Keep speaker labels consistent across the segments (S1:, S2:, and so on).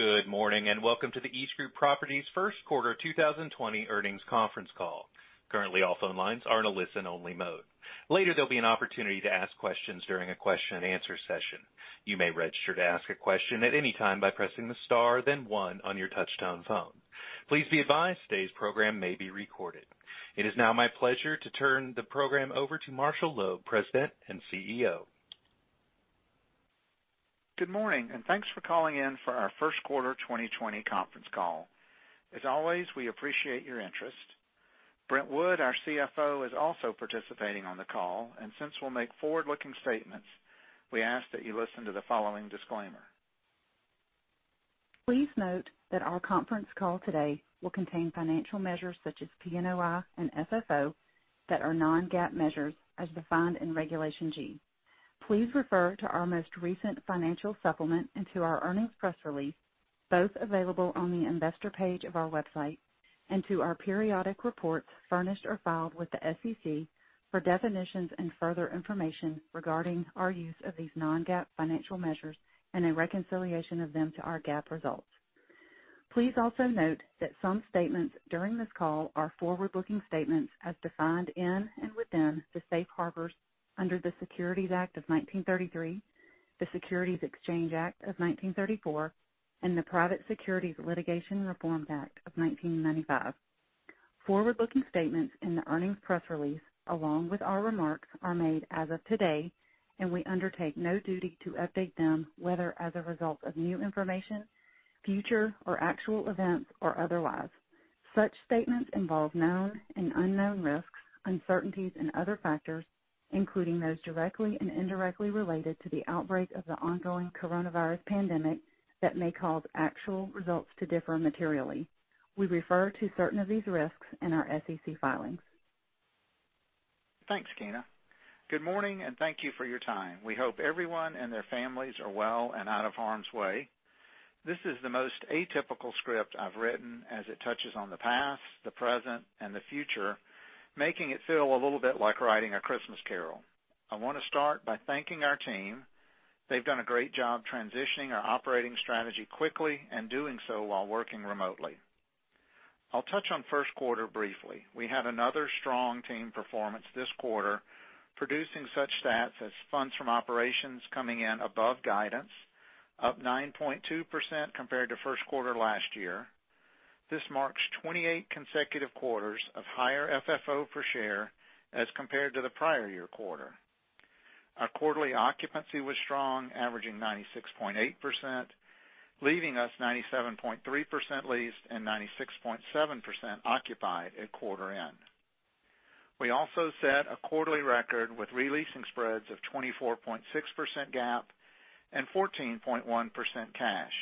S1: Good morning. Welcome to the EastGroup Properties first quarter 2020 earnings conference call. Currently, all phone lines are in a listen-only mode. Later, there'll be an opportunity to ask questions during a question-and-answer session. You may register to ask a question at any time by pressing the star then one on your touch-tone phone. Please be advised today's program may be recorded. It is now my pleasure to turn the program over to Marshall Loeb, President and CEO.
S2: Thanks for calling in for our first quarter 2020 conference call. As always, we appreciate your interest. Brent Wood, our CFO, is also participating on the call. Since we'll make forward-looking statements, we ask that you listen to the following disclaimer.
S3: Please note that our conference call today will contain financial measures such as PNOI and FFO that are non-GAAP measures as defined in Regulation G. Please refer to our most recent financial supplement and to our earnings press release, both available on the investor page of our website, and to our periodic reports furnished or filed with the SEC for definitions and further information regarding our use of these non-GAAP financial measures and a reconciliation of them to our GAAP results. Please also note that some statements during this call are forward-looking statements as defined in and within the safe harbors under the Securities Act of 1933, the Securities Exchange Act of 1934, and the Private Securities Litigation Reform Act of 1995. Forward-looking statements in the earnings press release, along with our remarks, are made as of today, and we undertake no duty to update them, whether as a result of new information, future or actual events, or otherwise. Such statements involve known and unknown risks, uncertainties, and other factors, including those directly and indirectly related to the outbreak of the ongoing coronavirus pandemic that may cause actual results to differ materially. We refer to certain of these risks in our SEC filings.
S2: Thanks, Dana. Good morning, and thank you for your time. We hope everyone and their families are well and out of harm's way. This is the most atypical script I've written as it touches on the past, the present, and the future, making it feel a little bit like writing A Christmas Carol. I want to start by thanking our team. They've done a great job transitioning our operating strategy quickly and doing so while working remotely. I'll touch on first quarter briefly. We had another strong team performance this quarter, producing such stats as funds from operations coming in above guidance, up 9.2% compared to first quarter last year. This marks 28 consecutive quarters of higher FFO per share as compared to the prior year quarter. Our quarterly occupancy was strong, averaging 96.8%, leaving us 97.3% leased and 96.7% occupied at quarter end. We also set a quarterly record with re-leasing spreads of 24.6% GAAP and 14.1% cash.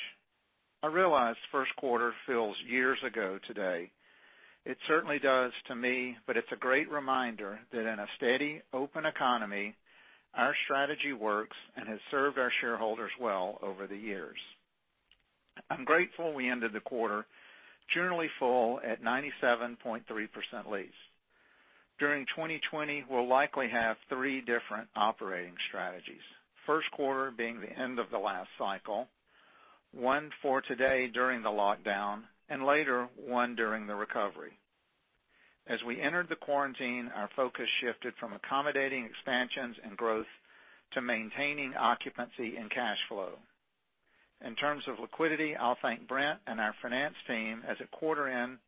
S2: I realize first quarter feels years ago today. It certainly does to me, but it's a great reminder that in a steady, open economy, our strategy works and has served our shareholders well over the years. I'm grateful we ended the quarter generally full at 97.3% leased. During 2020, we'll likely have three different operating strategies. First quarter being the end of the last cycle, one for today during the lockdown, and later, one during the recovery. As we entered the quarantine, our focus shifted from accommodating expansions and growth to maintaining occupancy and cash flow. In terms of liquidity, I'll thank Brent and our finance team, as at quarter-end,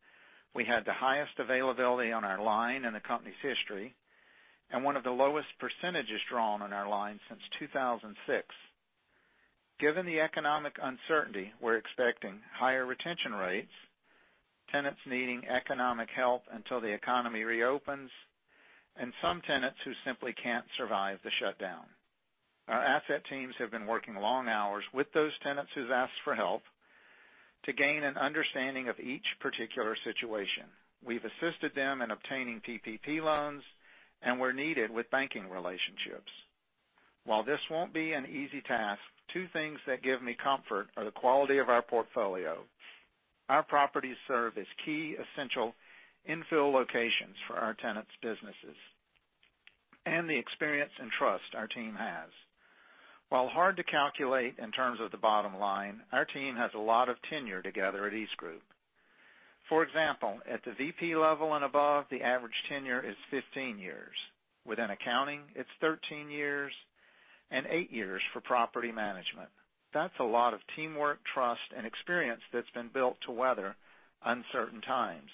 S2: we had the highest availability on our line in the company's history and one of the lowest percentages drawn on our line since 2006. Given the economic uncertainty, we're expecting higher retention rates, tenants needing economic help until the economy reopens, and some tenants who simply can't survive the shutdown. Our asset teams have been working long hours with those tenants who's asked for help to gain an understanding of each particular situation. We've assisted them in obtaining PPP loans and where needed, with banking relationships. While this won't be an easy task, two things that give me comfort are the quality of our portfolio. Our properties serve as key essential infill locations for our tenants' businesses and the experience and trust our team has. While hard to calculate in terms of the bottom line, our team has a lot of tenure together at EastGroup. For example, at the VP level and above, the average tenure is 15 years. Within accounting, it's 13 years, and eight years for property management. That's a lot of teamwork, trust, and experience that's been built to weather uncertain times.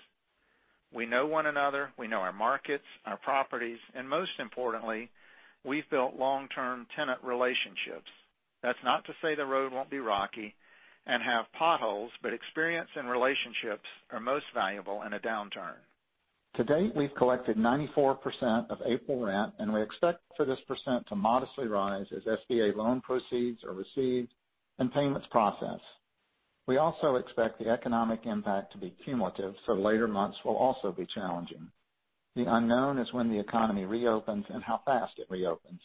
S2: We know one another, we know our markets, our properties, and most importantly, we've built long-term tenant relationships. That's not to say the road won't be rocky and have potholes, but experience and relationships are most valuable in a downturn. To date, we've collected 94% of April rent, and we expect for this percent to modestly rise as SBA loan proceeds are received and payments process. We also expect the economic impact to be cumulative, so later months will also be challenging. The unknown is when the economy reopens and how fast it reopens.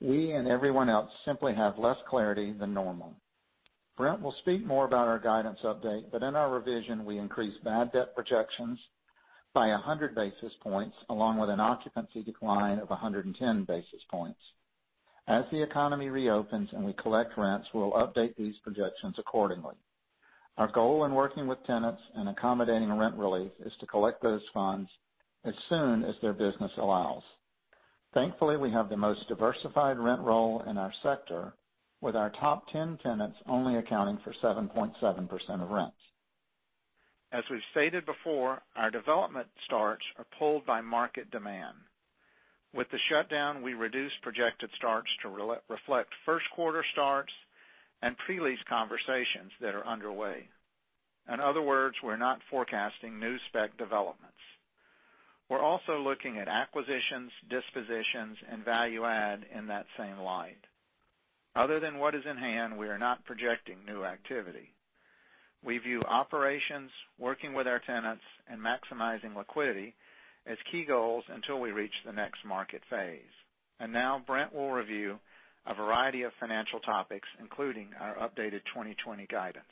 S2: We and everyone else simply have less clarity than normal. Brent will speak more about our guidance update, but in our revision, we increased bad debt projections by 100 basis points, along with an occupancy decline of 110 basis points. As the economy reopens and we collect rents, we'll update these projections accordingly. Our goal in working with tenants and accommodating rent relief is to collect those funds as soon as their business allows. Thankfully, we have the most diversified rent roll in our sector, with our top 10 tenants only accounting for 7.7% of rents. As we've stated before, our development starts are pulled by market demand. With the shutdown, we reduced projected starts to reflect first quarter starts and pre-lease conversations that are underway. In other words, we're not forecasting new spec developments. We're also looking at acquisitions, dispositions, and value add in that same light. Other than what is in hand, we are not projecting new activity. . We view operations, working with our tenants, and maximizing liquidity as key goals until we reach the next market phase. Now Brent will review a variety of financial topics, including our updated 2020 guidance.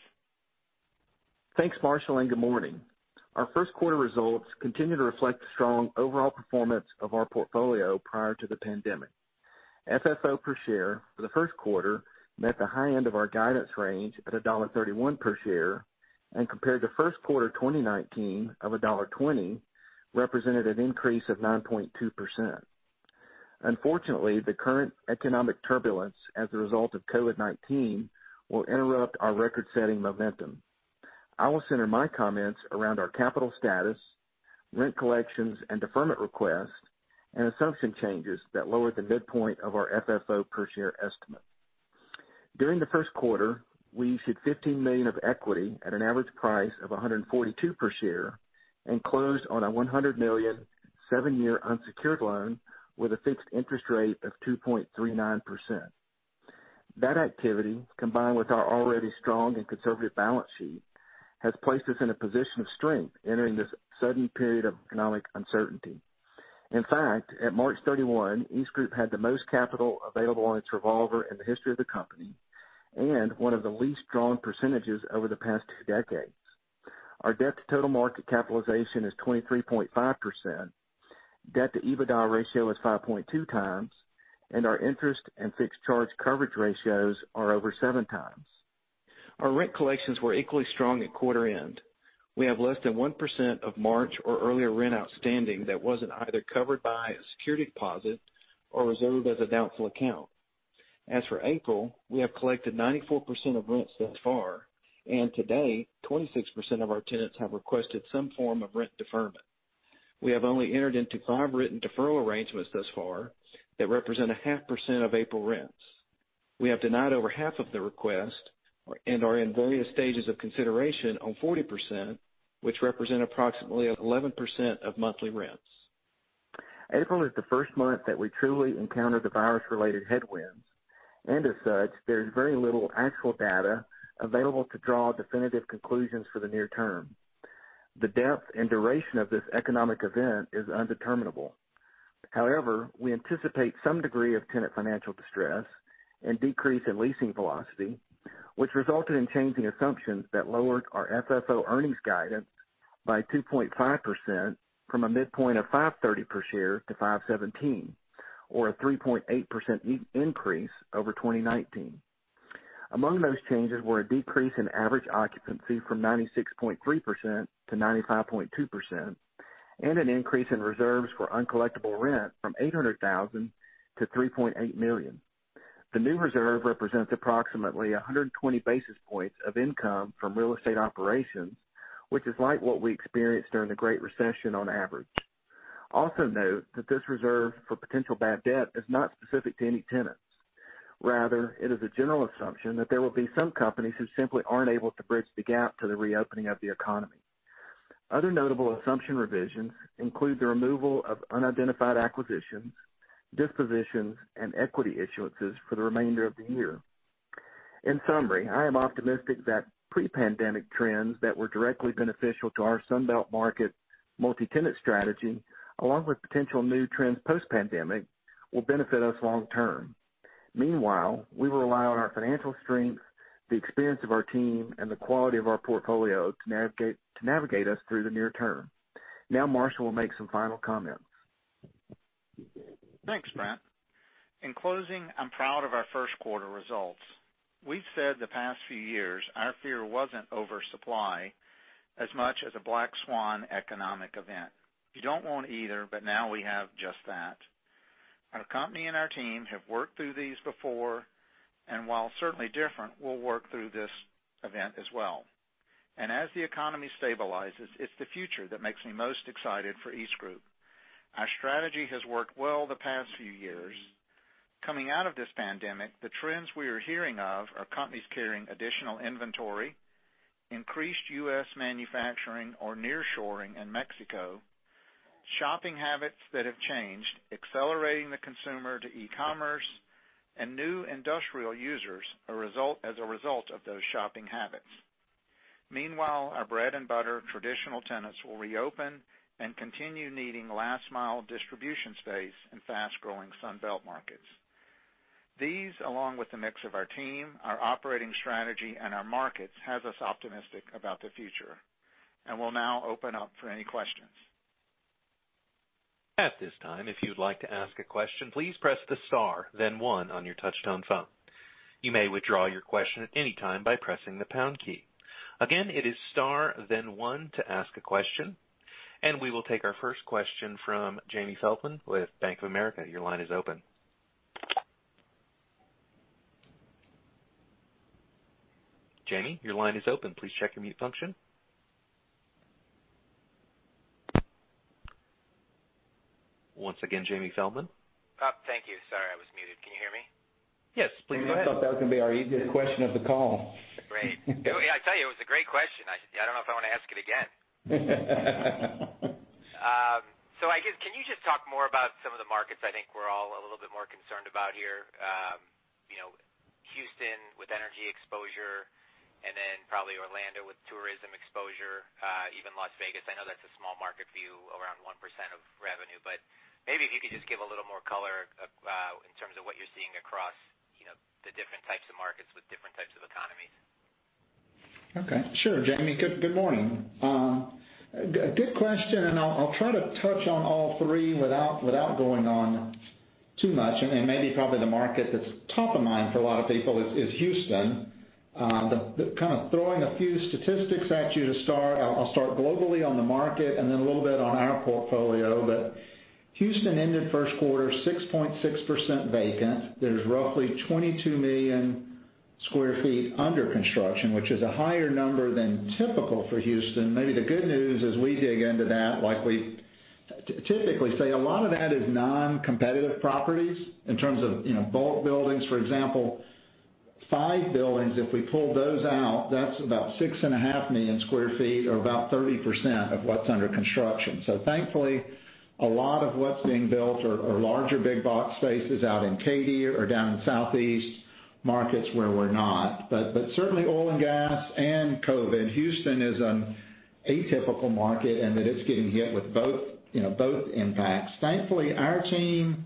S4: Thanks, Marshall, and good morning. Our first quarter results continue to reflect the strong overall performance of our portfolio prior to the pandemic. FFO per share for the first quarter met the high end of our guidance range at $1.31 per share, and compared to first quarter 2019 of $1.20, represented an increase of 9.2%. Unfortunately, the current economic turbulence as a result of COVID-19 will interrupt our record-setting momentum. I will center my comments around our capital status, rent collections, and deferment requests and assumption changes that lowered the midpoint of our FFO per share estimate. During the first quarter, we issued $15 million of equity at an average price of $142 per share and closed on a $100 million seven-year unsecured loan with a fixed interest rate of 2.39%. That activity, combined with our already strong and conservative balance sheet, has placed us in a position of strength entering this sudden period of economic uncertainty. At March 31, EastGroup had the most capital available on its revolver in the history of the company, and one of the least drawn percentages over the past two decades. Our debt to total market capitalization is 23.5%. Debt to EBITDA ratio is 5.2x, and our interest and fixed charge coverage ratios are over 7x. Our rent collections were equally strong at quarter end. We have less than 1% of March or earlier rent outstanding that wasn't either covered by a security deposit or reserved as a doubtful account. We have collected 94% of rents thus far, and to date, 26% of our tenants have requested some form of rent deferment. We have only entered into five written deferral arrangements thus far that represent a half percent of April rents. We have denied over half of the request and are in various stages of consideration on 40%, which represent approximately 11% of monthly rents. April is the first month that we truly encounter the virus-related headwinds, and as such, there's very little actual data available to draw definitive conclusions for the near term. The depth and duration of this economic event is undeterminable. However, we anticipate some degree of tenant financial distress and decrease in leasing velocity, which resulted in changing assumptions that lowered our FFO earnings guidance by 2.5% from a midpoint of $5.30 per share to $5.17, or a 3.8% increase over 2019. Among those changes were a decrease in average occupancy from 96.3%-95.2%, and an increase in reserves for uncollectible rent from $800,000-$3.8 million. The new reserve represents approximately 120 basis points of income from real estate operations, which is like what we experienced during the Great Recession on average. Also note that this reserve for potential bad debt is not specific to any tenants. Rather, it is a general assumption that there will be some companies who simply aren't able to bridge the gap to the reopening of the economy. Other notable assumption revisions include the removal of unidentified acquisitions, dispositions, and equity issuances for the remainder of the year. In summary, I am optimistic that pre-pandemic trends that were directly beneficial to our Sun Belt market multi-tenant strategy, along with potential new trends post-pandemic, will benefit us long term. Meanwhile, we will rely on our financial strength, the experience of our team, and the quality of our portfolio to navigate us through the near term. Now Marshall will make some final comments.
S2: Thanks, Brent. In closing, I'm proud of our first quarter results. We've said the past few years our fear wasn't oversupply as much as a black swan economic event. You don't want either. Now we have just that. Our company and our team have worked through these before, and while certainly different, we'll work through this event as well. As the economy stabilizes, it's the future that makes me most excited for EastGroup. Our strategy has worked well the past few years. Coming out of this pandemic, the trends we are hearing of are companies carrying additional inventory, increased U.S. manufacturing or nearshoring in Mexico, shopping habits that have changed, accelerating the consumer to e-commerce, and new industrial users as a result of those shopping habits. Meanwhile, our bread-and-butter traditional tenants will reopen and continue needing last-mile distribution space in fast-growing Sun Belt markets. These, along with the mix of our team, our operating strategy, and our markets, have us optimistic about the future. We'll now open up for any questions.
S1: At this time, if you'd like to ask a question, please press the star, then one on your touch-tone phone. You may withdraw your question at any time by pressing the pound key. Again, it is star, then one to ask a question. We will take our first question from Jamie Feldman with Bank of America. Your line is open. Jamie, your line is open. Please check your mute function. Once again, Jamie Feldman.
S5: Oh, thank you. Sorry, I was muted. Can you hear me?
S1: Yes, please go ahead.
S2: I thought that was going to be our easiest question of the call.
S5: Great. Yeah, I tell you. It was a great question. I don't know if I want to ask it again. I guess, can you just talk more about some of the markets I think we're all a little bit more concerned about here? Houston with energy exposure, probably Orlando with tourism exposure. Even Las Vegas. I know that's a small market for you, around 1% of revenue. Maybe if you could just give a little more color in terms of what you're seeing across the different types of markets with different types of economies.
S2: Okay. Sure, Jamie. Good morning. Good question. I'll try to touch on all three without going on too much. Maybe probably the market that's top of mind for a lot of people is Houston. Kind of throwing a few statistics at you to start, I'll start globally on the market and then a little bit on our portfolio. Houston ended first quarter 6.6% vacant. There's roughly 22 million square feet under construction, which is a higher number than typical for Houston. Maybe the good news as we dig into that, like we typically say, a lot of that is non-competitive properties in terms of bulk buildings. For example, five buildings, if we pull those out, that's about six and a half million square feet, or about 30% of what's under construction. Thankfully, a lot of what's being built are larger big box spaces out in Katy or down in southeast markets where we're not. Certainly, oil and gas and COVID, Houston is an atypical market in that it's getting hit with both impacts. Thankfully, our team,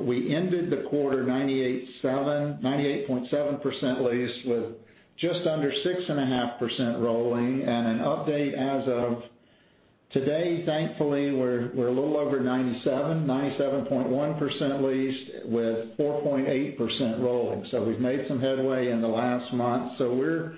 S2: we ended the quarter 98.7% leased with just under 6.5% rolling. An update as of today, thankfully, we're a little over 97.1% leased with 4.8% rolling. We've made some headway in the last month. We're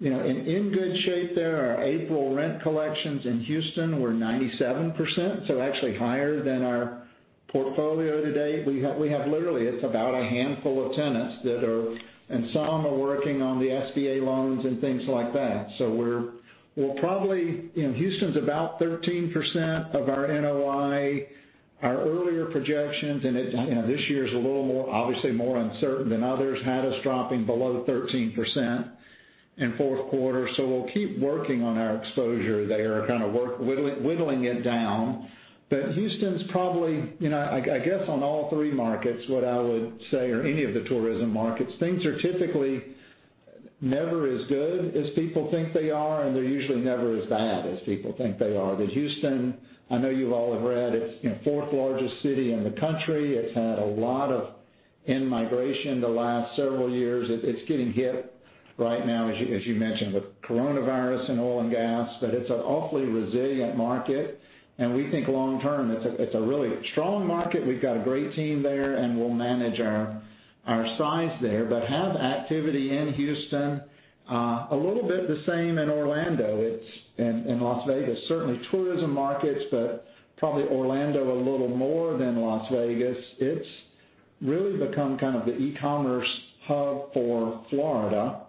S2: in good shape there. Our April rent collections in Houston were 97%, so actually higher than our portfolio today. We have literally, it's about a handful of tenants that are working on the SBA loans and things like that. Houston's about 13% of our NOI, our earlier projections, and this year is a little more, obviously more uncertain than others, had us dropping below 13% in fourth quarter. We'll keep working on our exposure there, kind of whittling it down. Houston's probably, I guess, on all three markets, what I would say, or any of the tourism markets, things are typically never as good as people think they are, and they're usually never as bad as people think they are. Houston, I know you've all read, it's the fourth largest city in the country. It's had a lot of in-migration the last several years. It's getting hit right now, as you mentioned, with coronavirus and oil and gas. It's an awfully resilient market, and we think long term, it's a really strong market. We've got a great team there, and we'll manage our size there, but have activity in Houston. A little bit the same in Orlando and Las Vegas. Certainly tourism markets, but probably Orlando a little more than Las Vegas. It's really become kind of the e-commerce hub for Florida.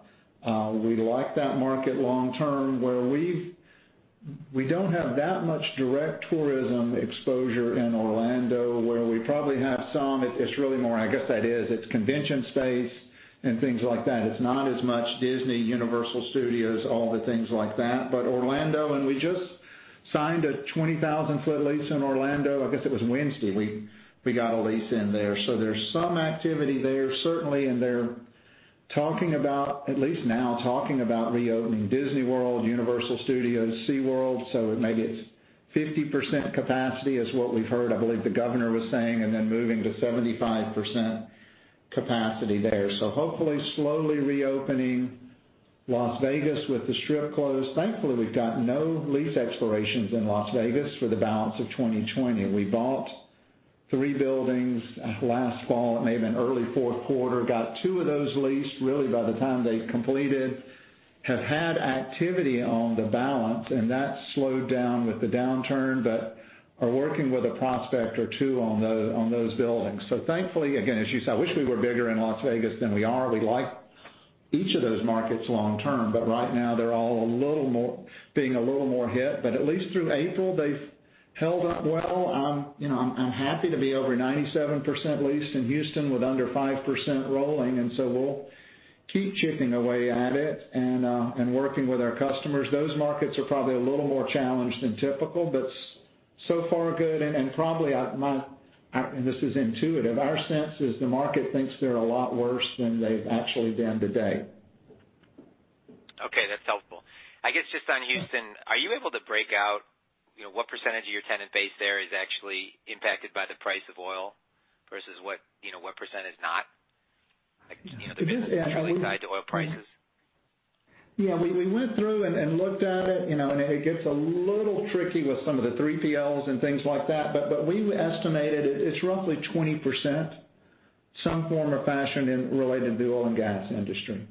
S2: We like that market long term. We don't have that much direct tourism exposure in Orlando. Where we probably have some, it's really more, I guess that is, it's convention space and things like that. It's not as much Disney, Universal Studios, all the things like that. Orlando, and we just signed a 20,000 ft lease in Orlando. I guess it was Wednesday we got a lease in there. There's some activity there. Certainly in there, at least now, talking about reopening Walt Disney World, Universal Studios, SeaWorld. Maybe it's 50% capacity is what we've heard, I believe the governor was saying, then moving to 75% capacity there. Hopefully slowly reopening Las Vegas with the Strip closed. Thankfully, we've got no lease expirations in Las Vegas for the balance of 2020. We bought three buildings last fall, it may have been early fourth quarter. Got two of those leased really by the time they completed. Have had activity on the balance, and that slowed down with the downturn, but are working with a prospect or two on those buildings. Thankfully, again, as you said, I wish we were bigger in Las Vegas than we are. We like each of those markets long term. Right now, they're all being a little more hit. At least through April, they've held up well. I'm happy to be over 97% leased in Houston with under 5% rolling. We'll keep chipping away at it and working with our customers. Those markets are probably a little more challenged than typical, but so far good, and probably, and this is intuitive, our sense is the market thinks they're a lot worse than they've actually been to date.
S5: Okay, that's helpful. I guess just on Houston, are you able to break out what percentage of your tenant base there is actually impacted by the price of oil versus what percentage is not?
S2: It is actually.
S5: Directly tied to oil prices.
S2: Yeah, we went through and looked at it, and it gets a little tricky with some of the 3PLs and things like that, but we estimated it's roughly 20%, some form or fashion, related to the oil and gas industry.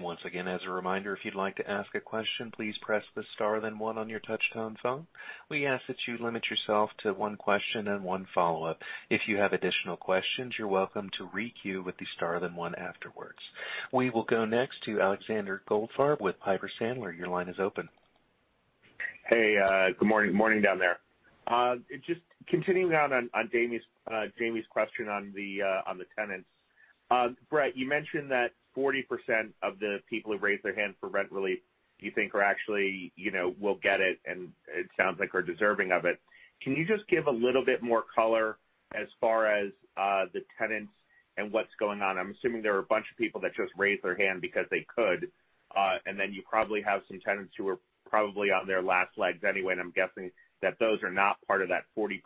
S1: Once again, as a reminder, if you'd like to ask a question, please press the star then one on your touch-tone phone. We ask that you limit yourself to one question and one follow-up. If you have additional questions, you're welcome to re-queue with the star then one afterwards. We will go next to Alexander Goldfarb with Piper Sandler. Your line is open.
S6: Hey, good morning. Morning down there. Just continuing on Jamie's question on the tenants. Brett, you mentioned that 40% of the people who raised their hand for rent relief, you think are actually will get it, and it sounds like are deserving of it. Can you just give a little bit more color as far as the tenants and what's going on? I'm assuming there are a bunch of people that just raised their hand because they could, and then you probably have some tenants who are probably on their last legs anyway, and I'm guessing that those are not part of that 40%.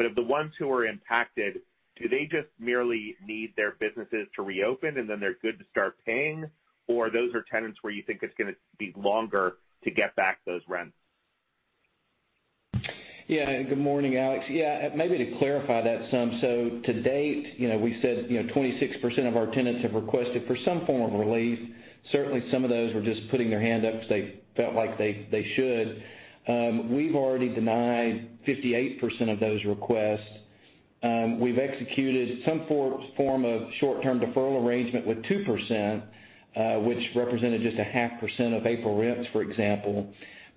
S6: Of the ones who are impacted, do they just merely need their businesses to reopen and then they're good to start paying? Those are tenants where you think it's going to be longer to get back those rents?
S4: Good morning, Alex. Maybe to clarify that some. To date, we said 26% of our tenants have requested for some form of relief. Certainly, some of those were just putting their hand up because they felt like they should. We've already denied 58% of those requests. We've executed some form of short-term deferral arrangement with 2%, which represented just a half percent of April rents, for example.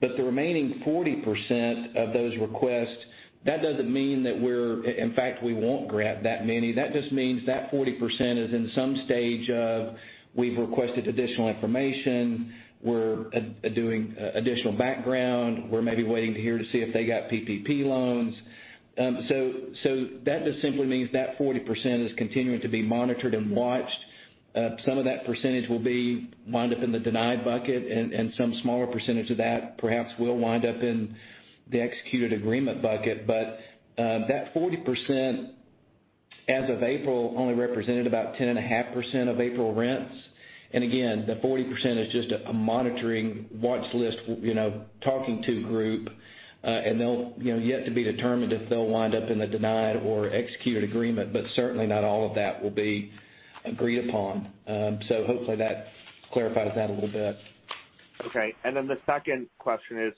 S4: The remaining 40% of those requests, that doesn't mean that In fact, we won't grant that many. That just means that 40% is in some stage of, we've requested additional information. We're doing additional background. We're maybe waiting to hear to see if they got PPP loans. That just simply means that 40% is continuing to be monitored and watched. Some of that percentage will wind up in the denied bucket, and some smaller percentage of that perhaps will wind up in the executed agreement bucket. That 40%, as of April, only represented about 10.5% of April rents. Again, the 40% is just a monitoring watch list, talking to group. They'll yet to be determined if they'll wind up in the denied or executed agreement, but certainly not all of that will be agreed upon. Hopefully that clarifies that a little bit.
S6: Okay. The second question is,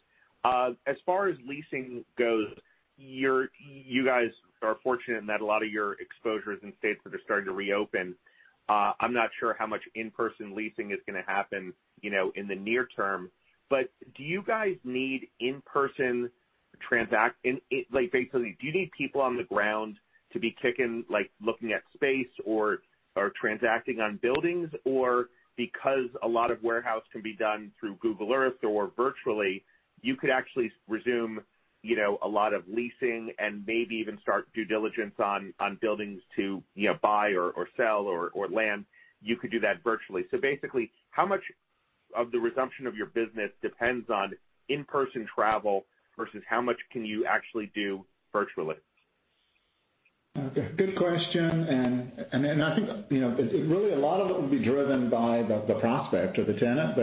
S6: as far as leasing goes, you guys are fortunate in that a lot of your exposure is in states that are starting to reopen. I am not sure how much in-person leasing is going to happen in the near term. Do you guys need in-person basically, do you need people on the ground to be kicking, looking at space or transacting on buildings? Because a lot of warehouse can be done through Google Earth or virtually, you could actually resume a lot of leasing and maybe even start due diligence on buildings to buy or sell or land, you could do that virtually. Basically, how much of the resumption of your business depends on in-person travel versus how much can you actually do virtually?
S2: Okay. Good question. I think really a lot of it will be driven by the prospect or the tenant.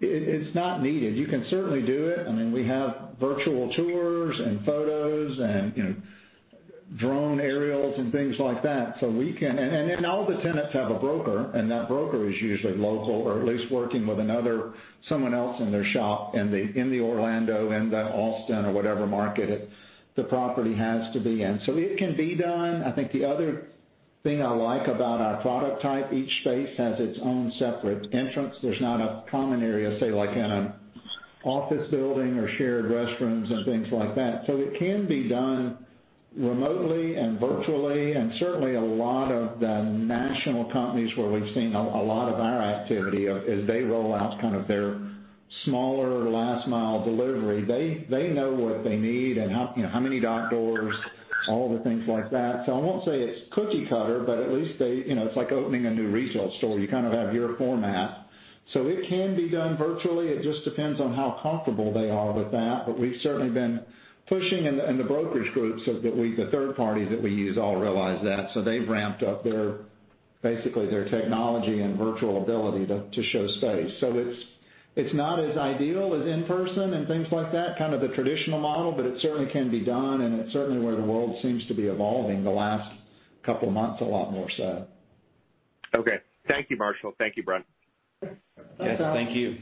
S2: It is not needed. You can certainly do it. We have virtual tours and photos and drone aerials and things like that. All the tenants have a broker. That broker is usually local or at least working with someone else in their shop, in Orlando, in Austin or whatever market the property has to be in. It can be done. I think the other thing I like about our product type, each space has its own separate entrance. There's not a common area, say, like in an office building or shared restrooms and things like that. It can be done remotely and virtually, and certainly a lot of the national companies where we've seen a lot of our activity, as they roll out kind of their smaller last mile delivery. They know what they need and how many dock doors, all the things like that. I won't say it's cookie cutter, but at least it's like opening a new retail store. You kind of have your format. It can be done virtually. It just depends on how comfortable they are with that. We've certainly been pushing in the brokerage groups that the third parties that we use all realize that. They've ramped up basically their technology and virtual ability to show space. It's not as ideal as in-person and things like that, kind of the traditional model, but it certainly can be done, and it's certainly where the world seems to be evolving the last couple of months, a lot more so.
S6: Okay. Thank you, Marshall. Thank you, Brent.
S4: Thanks, Alex.
S2: Yeah. Thank you.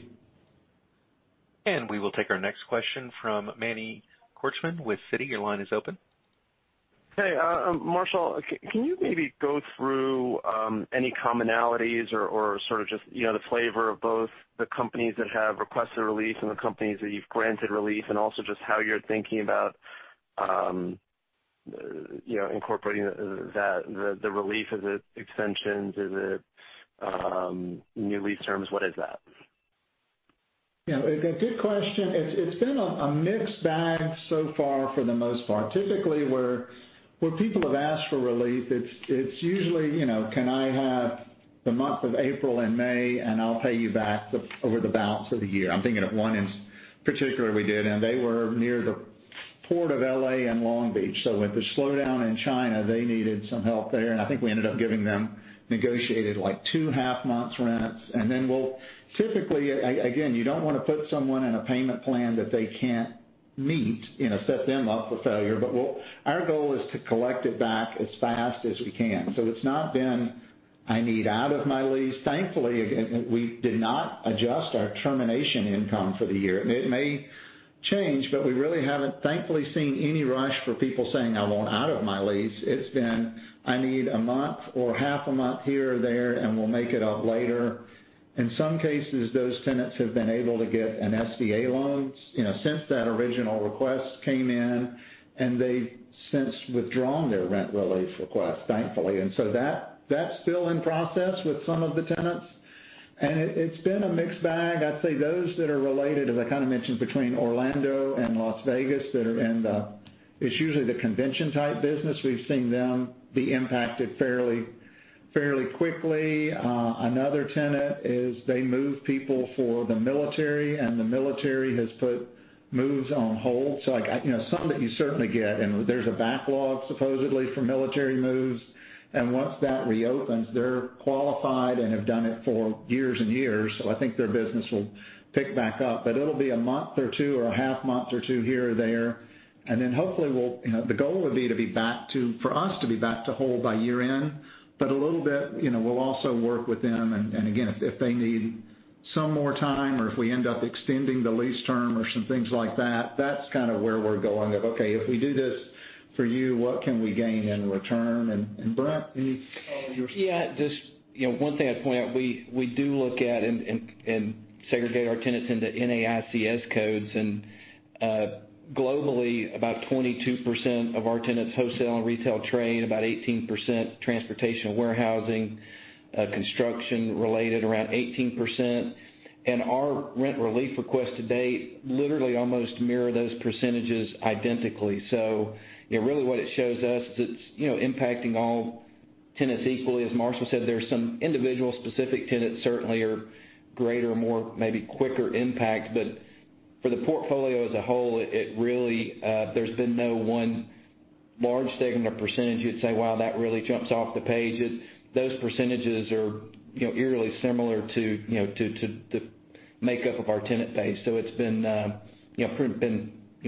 S1: We will take our next question from Manny Korchman with Citi. Your line is open.
S7: Hey, Marshall. Can you maybe go through any commonalities or sort of just the flavor of both the companies that have requested release and the companies that you've granted release, and also just how you're thinking about incorporating the relief. Is it extensions? Is it new lease terms? What is that?
S2: A good question. It's been a mixed bag so far for the most part. Typically, where people have asked for relief, it's usually, can I have the month of April and May, and I'll pay you back over the balance of the year? I'm thinking of one in particular we did, and they were near the Port of L.A. and Long Beach. With the slowdown in China, they needed some help there, and I think we ended up giving them, negotiated two half months' rents. We'll typically, again, you don't want to put someone in a payment plan that they can't meet, set them up for failure. Our goal is to collect it back as fast as we can. It's not been, I need out of my lease. Thankfully, we did not adjust our termination income for the year. It may change, but we really haven't, thankfully, seen any rush for people saying, I want out of my lease. It's been, I need a month or half a month here or there, and we'll make it up later. In some cases, those tenants have been able to get an SBA loan. Since that original request came in, and they've since withdrawn their rent release request, thankfully. That's still in process with some of the tenants, and it's been a mixed bag. I'd say those that are related, as I kind of mentioned, between Orlando and Las Vegas. It's usually the convention-type business. We've seen them be impacted fairly quickly. Another tenant is they move people for the military, and the military has put moves on hold. Something that you certainly get, and there's a backlog, supposedly, for military moves. Once that reopens, they're qualified and have done it for years and years, so I think their business will pick back up. It'll be a month or two or a half month or two here or there. Hopefully, the goal would be for us to be back to whole by year-end. A little bit, we'll also work with them, and again, if they need some more time, or if we end up extending the lease term or some things like that's kind of where we're going of, Okay, if we do this for you, what can we gain in return? Brent, any thoughts here?
S4: Just one thing I'd point out. We do look at and segregate our tenants into NAICS codes. Globally, about 22% of our tenants, wholesale and retail trade, about 18%, transportation and warehousing, construction-related, around 18%. Our rent relief requests to date literally almost mirror those percentages identically. Really what it shows us is it's impacting all tenants equally. As Marshall said, there's some individual specific tenants certainly are greater, more maybe quicker impact. For the portfolio as a whole, there's been no one large segment or percentage you'd say, Wow, that really jumps off the page. Those percentages are eerily similar to the makeup of our tenant base. It's been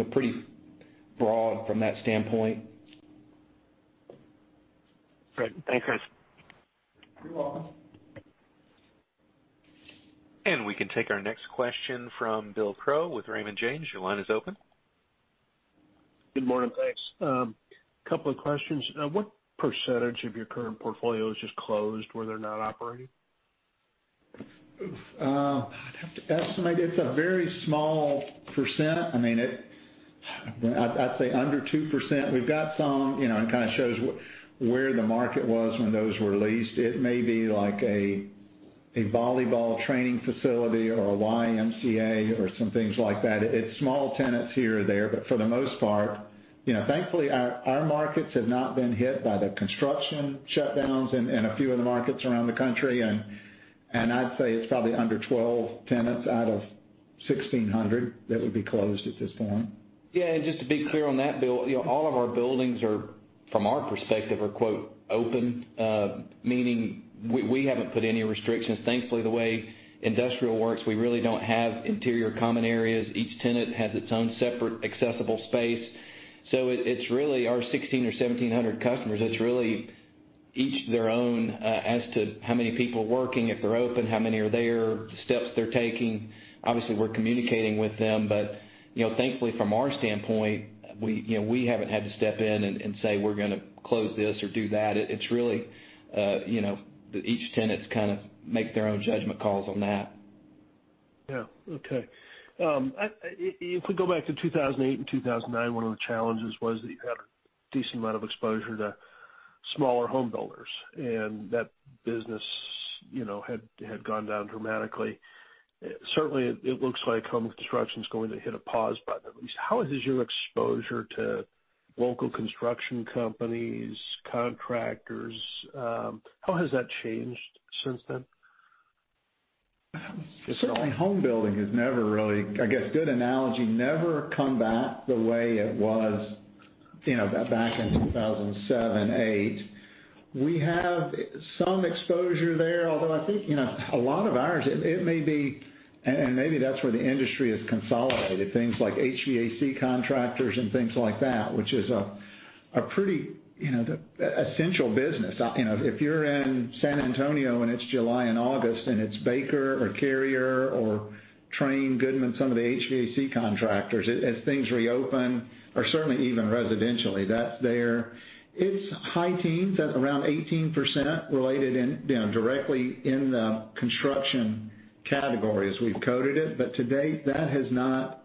S4: pretty broad from that standpoint.
S7: Great. Thanks, guys.
S2: You're welcome.
S1: We can take our next question from Bill Crow with Raymond James. Your line is open.
S8: Good morning. Thanks. Couple of questions. What percentage of your current portfolio is just closed, where they're not operating?
S2: I'd have to estimate. It's a very small percent. I'd say under 2%. We've got some, it kind of shows where the market was when those were leased. It may be a volleyball training facility or a YMCA or some things like that. It's small tenants here or there, but for the most part, thankfully, our markets have not been hit by the construction shutdowns in a few of the markets around the country. I'd say it's probably under 12 tenants out of 1,600 that would be closed at this point.
S4: Yeah. Just to be clear on that, Bill, all of our buildings are, from our perspective are, quote, open, meaning we haven't put any restrictions. Thankfully, the way industrial works, we really don't have interior common areas. Each tenant has its own separate accessible space. It's really our 16 or 1,700 customers. It's really each their own as to how many people working, if they're open, how many are there, the steps they're taking. Obviously, we're communicating with them. Thankfully from our standpoint, we haven't had to step in and say we're going to close this or do that. It's really each tenant kind of makes their own judgment calls on that.
S8: Yeah. Okay. If we go back to 2008 and 2009, one of the challenges was that you had a decent amount of exposure to smaller home builders, and that business had gone down dramatically. Certainly, it looks like home construction's going to hit a pause button, at least. How is your exposure to local construction companies, contractors? How has that changed since then?
S2: Certainly, home building has never really, I guess, good analogy, never come back the way it was back in 2007, 2008. We have some exposure there, although I think, a lot of ours, and maybe that's where the industry has consolidated, things like HVAC contractors and things like that, which is a pretty essential business. If you're in San Antonio, and it's July and August, and it's Baker or Carrier or Trane, Goodman, some of the HVAC contractors. Things reopen, or certainly even residentially, that's there. It's high teens, around 18%, related directly in the construction category as we've coded it. To date, that has not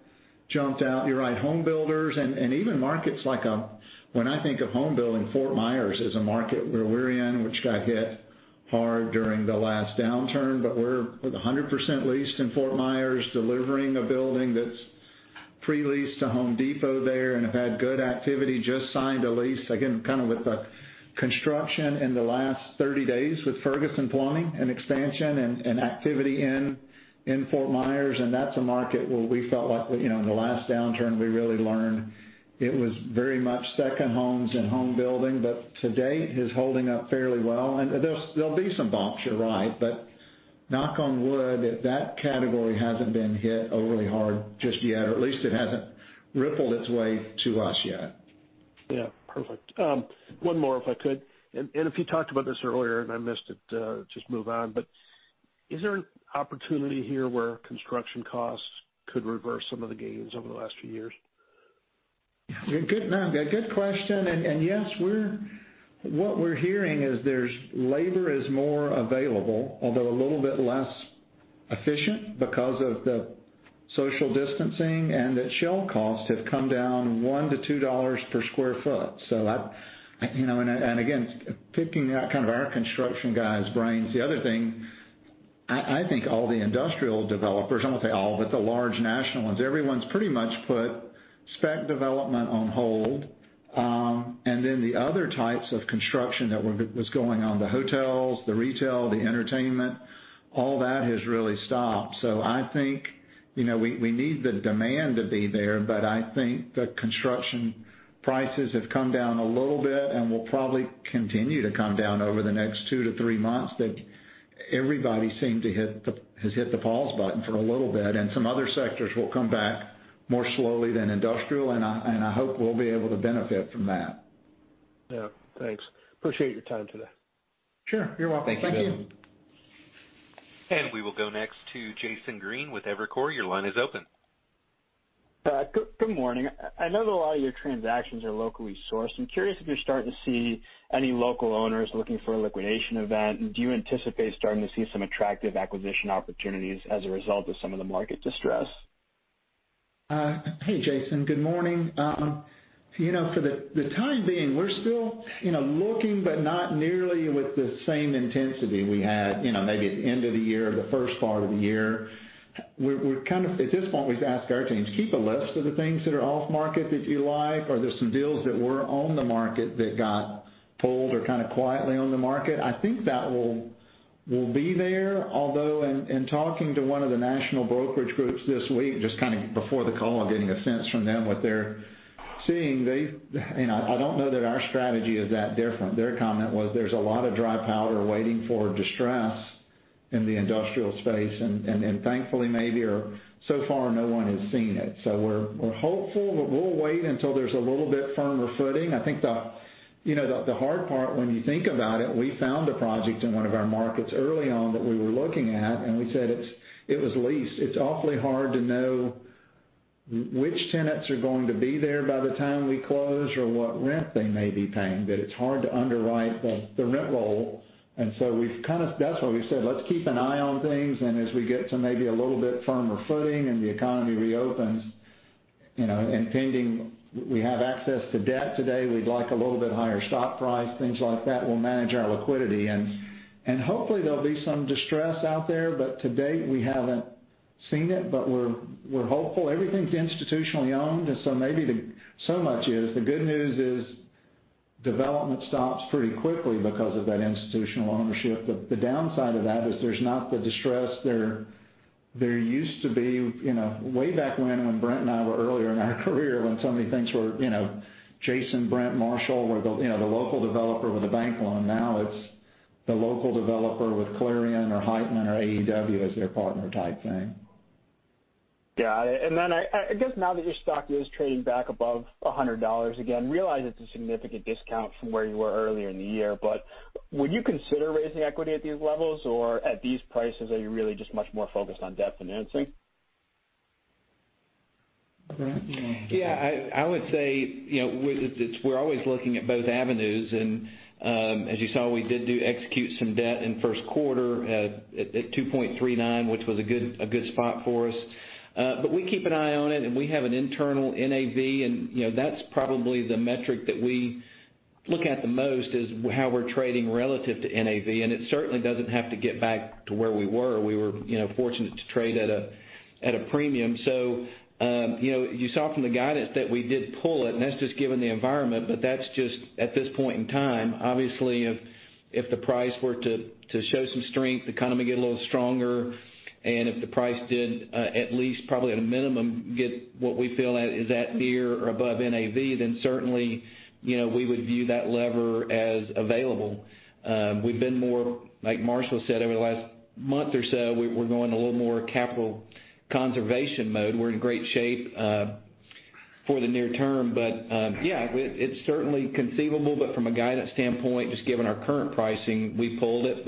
S2: jumped out. You're right, home builders and even markets like When I think of home building, Fort Myers is a market where we're in, which got hit hard during the last downturn, but we're 100% leased in Fort Myers, delivering a building that's pre-leased to The Home Depot there, and have had good activity. Just signed a lease, again, kind of with the construction in the last 30 days with Ferguson Plumbing, an expansion and activity in Fort Myers. That's a market where we felt like, in the last downturn, we really learned it was very much second homes and home building. To date, it's holding up fairly well. There'll be some bumps, you're right. Knock on wood, that category hasn't been hit overly hard just yet, or at least it hasn't rippled its way to us yet.
S8: Yeah. Perfect. One more, if I could. If you talked about this earlier and I missed it, just move on. Is there an opportunity here where construction costs could reverse some of the gains over the last few years?
S2: Good question. Yes, what we're hearing is labor is more available, although a little bit less efficient because of the social distancing, and that shell costs have come down $1-$2 per square foot. Again, picking kind of our construction guys' brains. The other thing, I think all the industrial developers, I won't say all, but the large national ones, everyone's pretty much put spec development on hold. The other types of construction that was going on, the hotels, the retail, the entertainment, all that has really stopped. I think, we need the demand to be there, but I think the construction prices have come down a little bit and will probably continue to come down over the next two-three months, that everybody seemed to hit the pause button for a little bit. Some other sectors will come back more slowly than industrial, and I hope we'll be able to benefit from that.
S8: Yeah. Thanks. Appreciate your time today.
S2: Sure. You're welcome.
S4: Thank you.
S8: Thank you.
S1: We will go next to Jason Green with Evercore. Your line is open.
S9: Good morning. I know that a lot of your transactions are locally sourced. I'm curious if you're starting to see any local owners looking for a liquidation event. Do you anticipate starting to see some attractive acquisition opportunities as a result of some of the market distress?
S2: Hey, Jason. Good morning. For the time being, we're still looking, but not nearly with the same intensity we had maybe at the end of the year or the first part of the year. At this point, we've asked our teams, keep a list of the things that are off market that you like, or there's some deals that were on the market that got pulled or kind of quietly on the market. I think that will be there. In talking to one of the national brokerage groups this week, just kind of before the call, getting a sense from them what they're seeing. I don't know that our strategy is that different. Their comment was, there's a lot of dry powder waiting for distress in the industrial space. Thankfully, maybe, or so far, no one has seen it. We're hopeful, but we'll wait until there's a little bit firmer footing. I think the hard part when you think about it, we found a project in one of our markets early on that we were looking at, and we said it was leased. It's awfully hard to know which tenants are going to be there by the time we close or what rent they may be paying, that it's hard to underwrite the rent roll. That's why we said, Let's keep an eye on things. As we get to maybe a little bit firmer footing and the economy reopens, and pending, we have access to debt today, we'd like a little bit higher stock price, things like that. We'll manage our liquidity. Hopefully, there'll be some distress out there, but to date, we haven't seen it. We're hopeful. Everything's institutionally owned. So much is. The good news is development stops pretty quickly because of that institutional ownership. The downside of that is there's not the distress there used to be way back when Brent and I were earlier in our career, when so many things were Jason, Brent, Marshall were the local developer with a bank loan. Now it's the local developer with Clarion or Heitman or AEW as their partner type thing.
S9: Got it. I guess now that your stock is trading back above $100 again, realize it's a significant discount from where you were earlier in the year. Would you consider raising equity at these levels? At these prices, are you really just much more focused on debt financing?
S2: Brent, you want to take it?
S4: Yeah. I would say, we're always looking at both avenues. As you saw, we did execute some debt in first quarter at 2.39, which was a good spot for us. We keep an eye on it, and we have an internal NAV, and that's probably the metric that we look at the most, is how we're trading relative to NAV. It certainly doesn't have to get back to where we were. We were fortunate to trade at a premium. You saw from the guidance that we did pull it, and that's just given the environment, but that's just at this point in time. Obviously, if the price were to show some strength, the economy get a little stronger, and if the price did at least probably at a minimum, get what we feel is at near or above NAV, then certainly, we would view that lever as available. We've been more, like Marshall said, over the last month or so, we're going a little more capital conservation mode. We're in great shape for the near term. Yeah, it's certainly conceivable. From a guidance standpoint, just given our current pricing, we pulled it.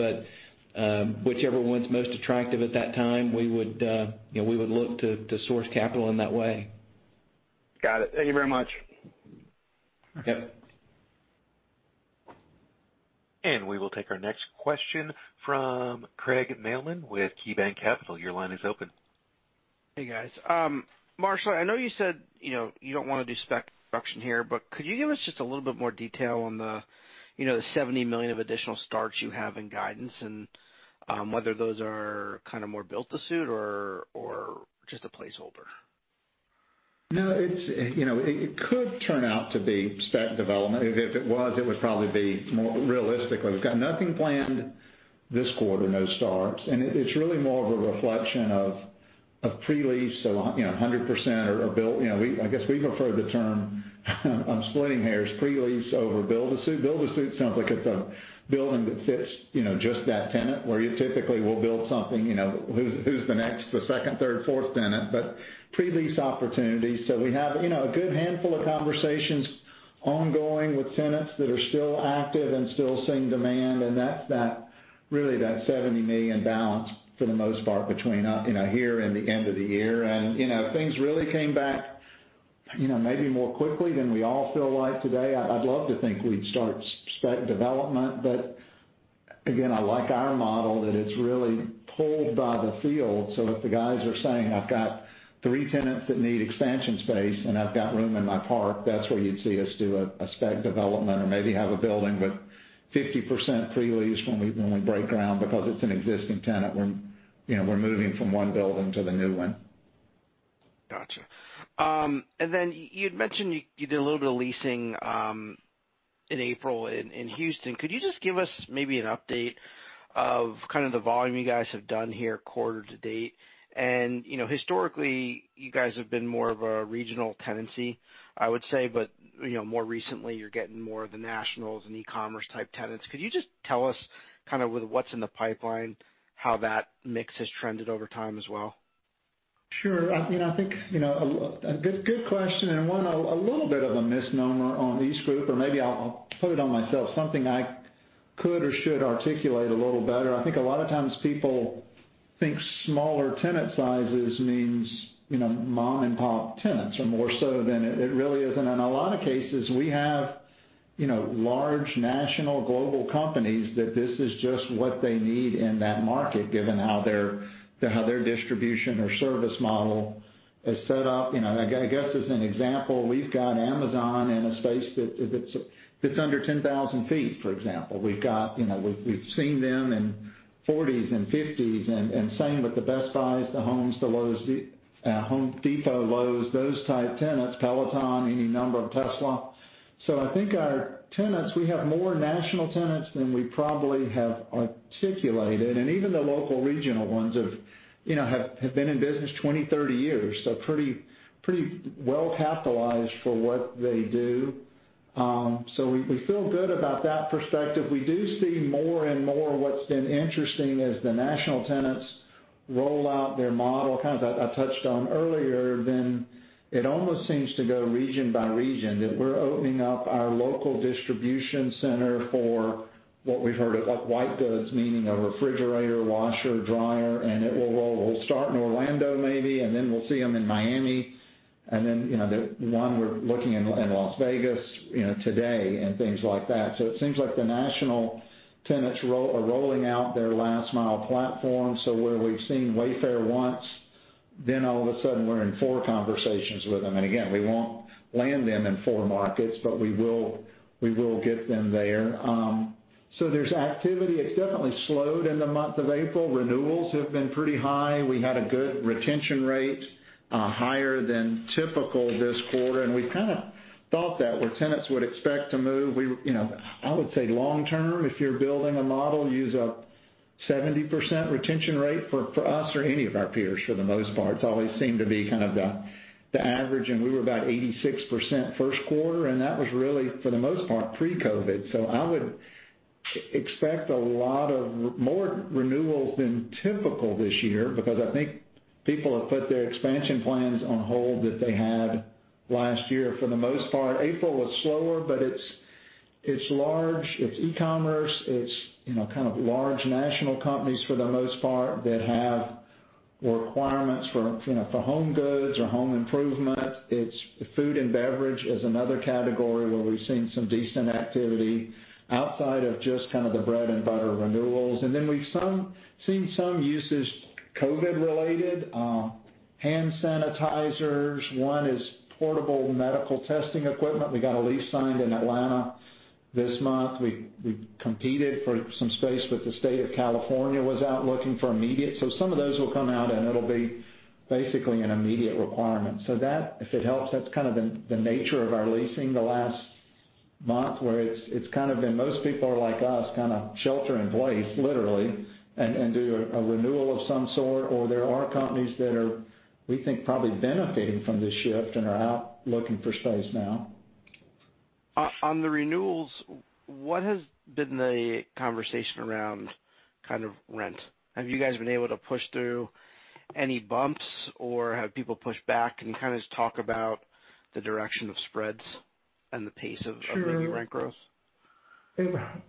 S4: Whichever one's most attractive at that time, we would look to source capital in that way.
S9: Got it. Thank you very much.
S4: Yep.
S1: We will take our next question from Craig Mailman with KeyBanc Capital. Your line is open.
S10: Hey, guys. Marshall, I know you said you don't want to do spec production here, but could you give us just a little bit more detail on the $70 million of additional starts you have in guidance and whether those are kind of more built to suit or just a placeholder?
S2: No, it could turn out to be spec development. If it was, it would probably be more realistic. We've got nothing planned this quarter, no starts. It's really more of a reflection of pre-lease. 100% are built. I guess we prefer the term I'm splitting hairs, pre-lease over build to suit. Build to suit sounds like it's a building that fits just that tenant, where you typically will build something, who's the next, the second, third, fourth tenant, but pre-lease opportunities. We have a good handful of conversations ongoing with tenants that are still active and still seeing demand, and that's really that $70 million balance for the most part between up here and the end of the year. Things really came back maybe more quickly than we all feel like today. I'd love to think we'd start spec development. Again, I like our model, that it's really pulled by the field. If the guys are saying, I've got three tenants that need expansion space, and I've got room in my park. That's where you'd see us do a spec development or maybe have a building with 50% pre-lease when we break ground because it's an existing tenant. We're moving from one building to the new one.
S10: Got you. Then you'd mentioned you did a little bit of leasing in April in Houston. Could you just give us maybe an update of kind of the volume you guys have done here quarter to date? Historically, you guys have been more of a regional tenancy, I would say. More recently, you're getting more of the nationals and e-commerce type tenants. Could you just tell us kind of with what's in the pipeline, how that mix has trended over time as well?
S2: Sure. Good question, and one, a little bit of a misnomer on EastGroup, or maybe I'll put it on myself, something I could or should articulate a little better. I think a lot of times people think smaller tenant sizes means mom and pop tenants or more so than it really is. In a lot of cases, we have large national, global companies that this is just what they need in that market, given how their distribution or service model is set up. I guess, as an example, we've got Amazon in a space that's under 10,000 feet, for example. We've seen them in 40s and 50s, and same with the Best Buy, The Home Depot, Lowe's, those type tenants, Peloton, any number of Tesla. I think our tenants, we have more national tenants than we probably have articulated, and even the local regional ones have been in business 20, 30 years. Pretty well-capitalized for what they do. We feel good about that perspective. We do see more and more. What's been interesting is the national tenants roll out their model, kind of I touched on earlier, then it almost seems to go region by region. We're opening up our local distribution center for what we've heard of white goods, meaning a refrigerator, washer, dryer, and it will start in Orlando maybe, and then we'll see them in Miami. One we're looking in Las Vegas today and things like that. It seems like the national tenants are rolling out their last mile platform. Where we've seen Wayfair once, then all of a sudden we're in four conversations with them. Again, we won't land them in four markets, but we will get them there. There's activity. It's definitely slowed in the month of April. Renewals have been pretty high. We had a good retention rate, higher than typical this quarter, and we kind of thought that where tenants would expect to move. I would say long-term, if you're building a model, use a 70% retention rate for us or any of our peers, for the most part. It's always seemed to be kind of the average, and we were about 86% first quarter, and that was really, for the most part, pre-COVID. I would expect a lot of more renewals than typical this year because I think people have put their expansion plans on hold that they had last year. For the most part, April was slower, but it's large. It's e-commerce. It's kind of large national companies for the most part that have requirements for home goods or home improvement. It's food and beverage is another category where we've seen some decent activity outside of just kind of the bread-and-butter renewals. We've seen some uses COVID related, hand sanitizers. One is portable medical testing equipment. We got a lease signed in Atlanta this month. We competed for some space with the State of California was out looking for immediate requirement. Some of those will come out, and it'll be basically an immediate requirement. That, if it helps, that's kind of the nature of our leasing the last month, where it's kind of been most people are like us, kind of shelter in place, literally, and do a renewal of some sort. There are companies that are, we think, probably benefiting from this shift and are out looking for space now.
S10: On the renewals, what has been the conversation around kind of rent? Have you guys been able to push through any bumps, or have people pushed back? Can you kind of just talk about the direction of spreads the rent growth?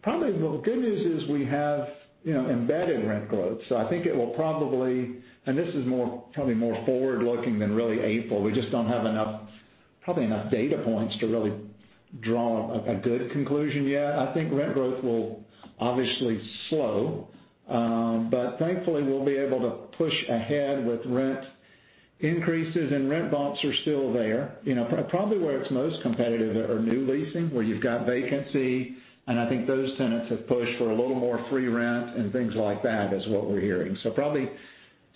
S2: Probably the good news is we have embedded rent growth. I think it will probably, and this is probably more forward-looking than really April. We just don't have enough data points to really draw a good conclusion yet. I think rent growth will obviously slow. Thankfully, we'll be able to push ahead with rent increases and rent bumps are still there. Probably where it's most competitive are new leasing, where you've got vacancy, and I think those tenants have pushed for a little more free rent and things like that, is what we're hearing. Probably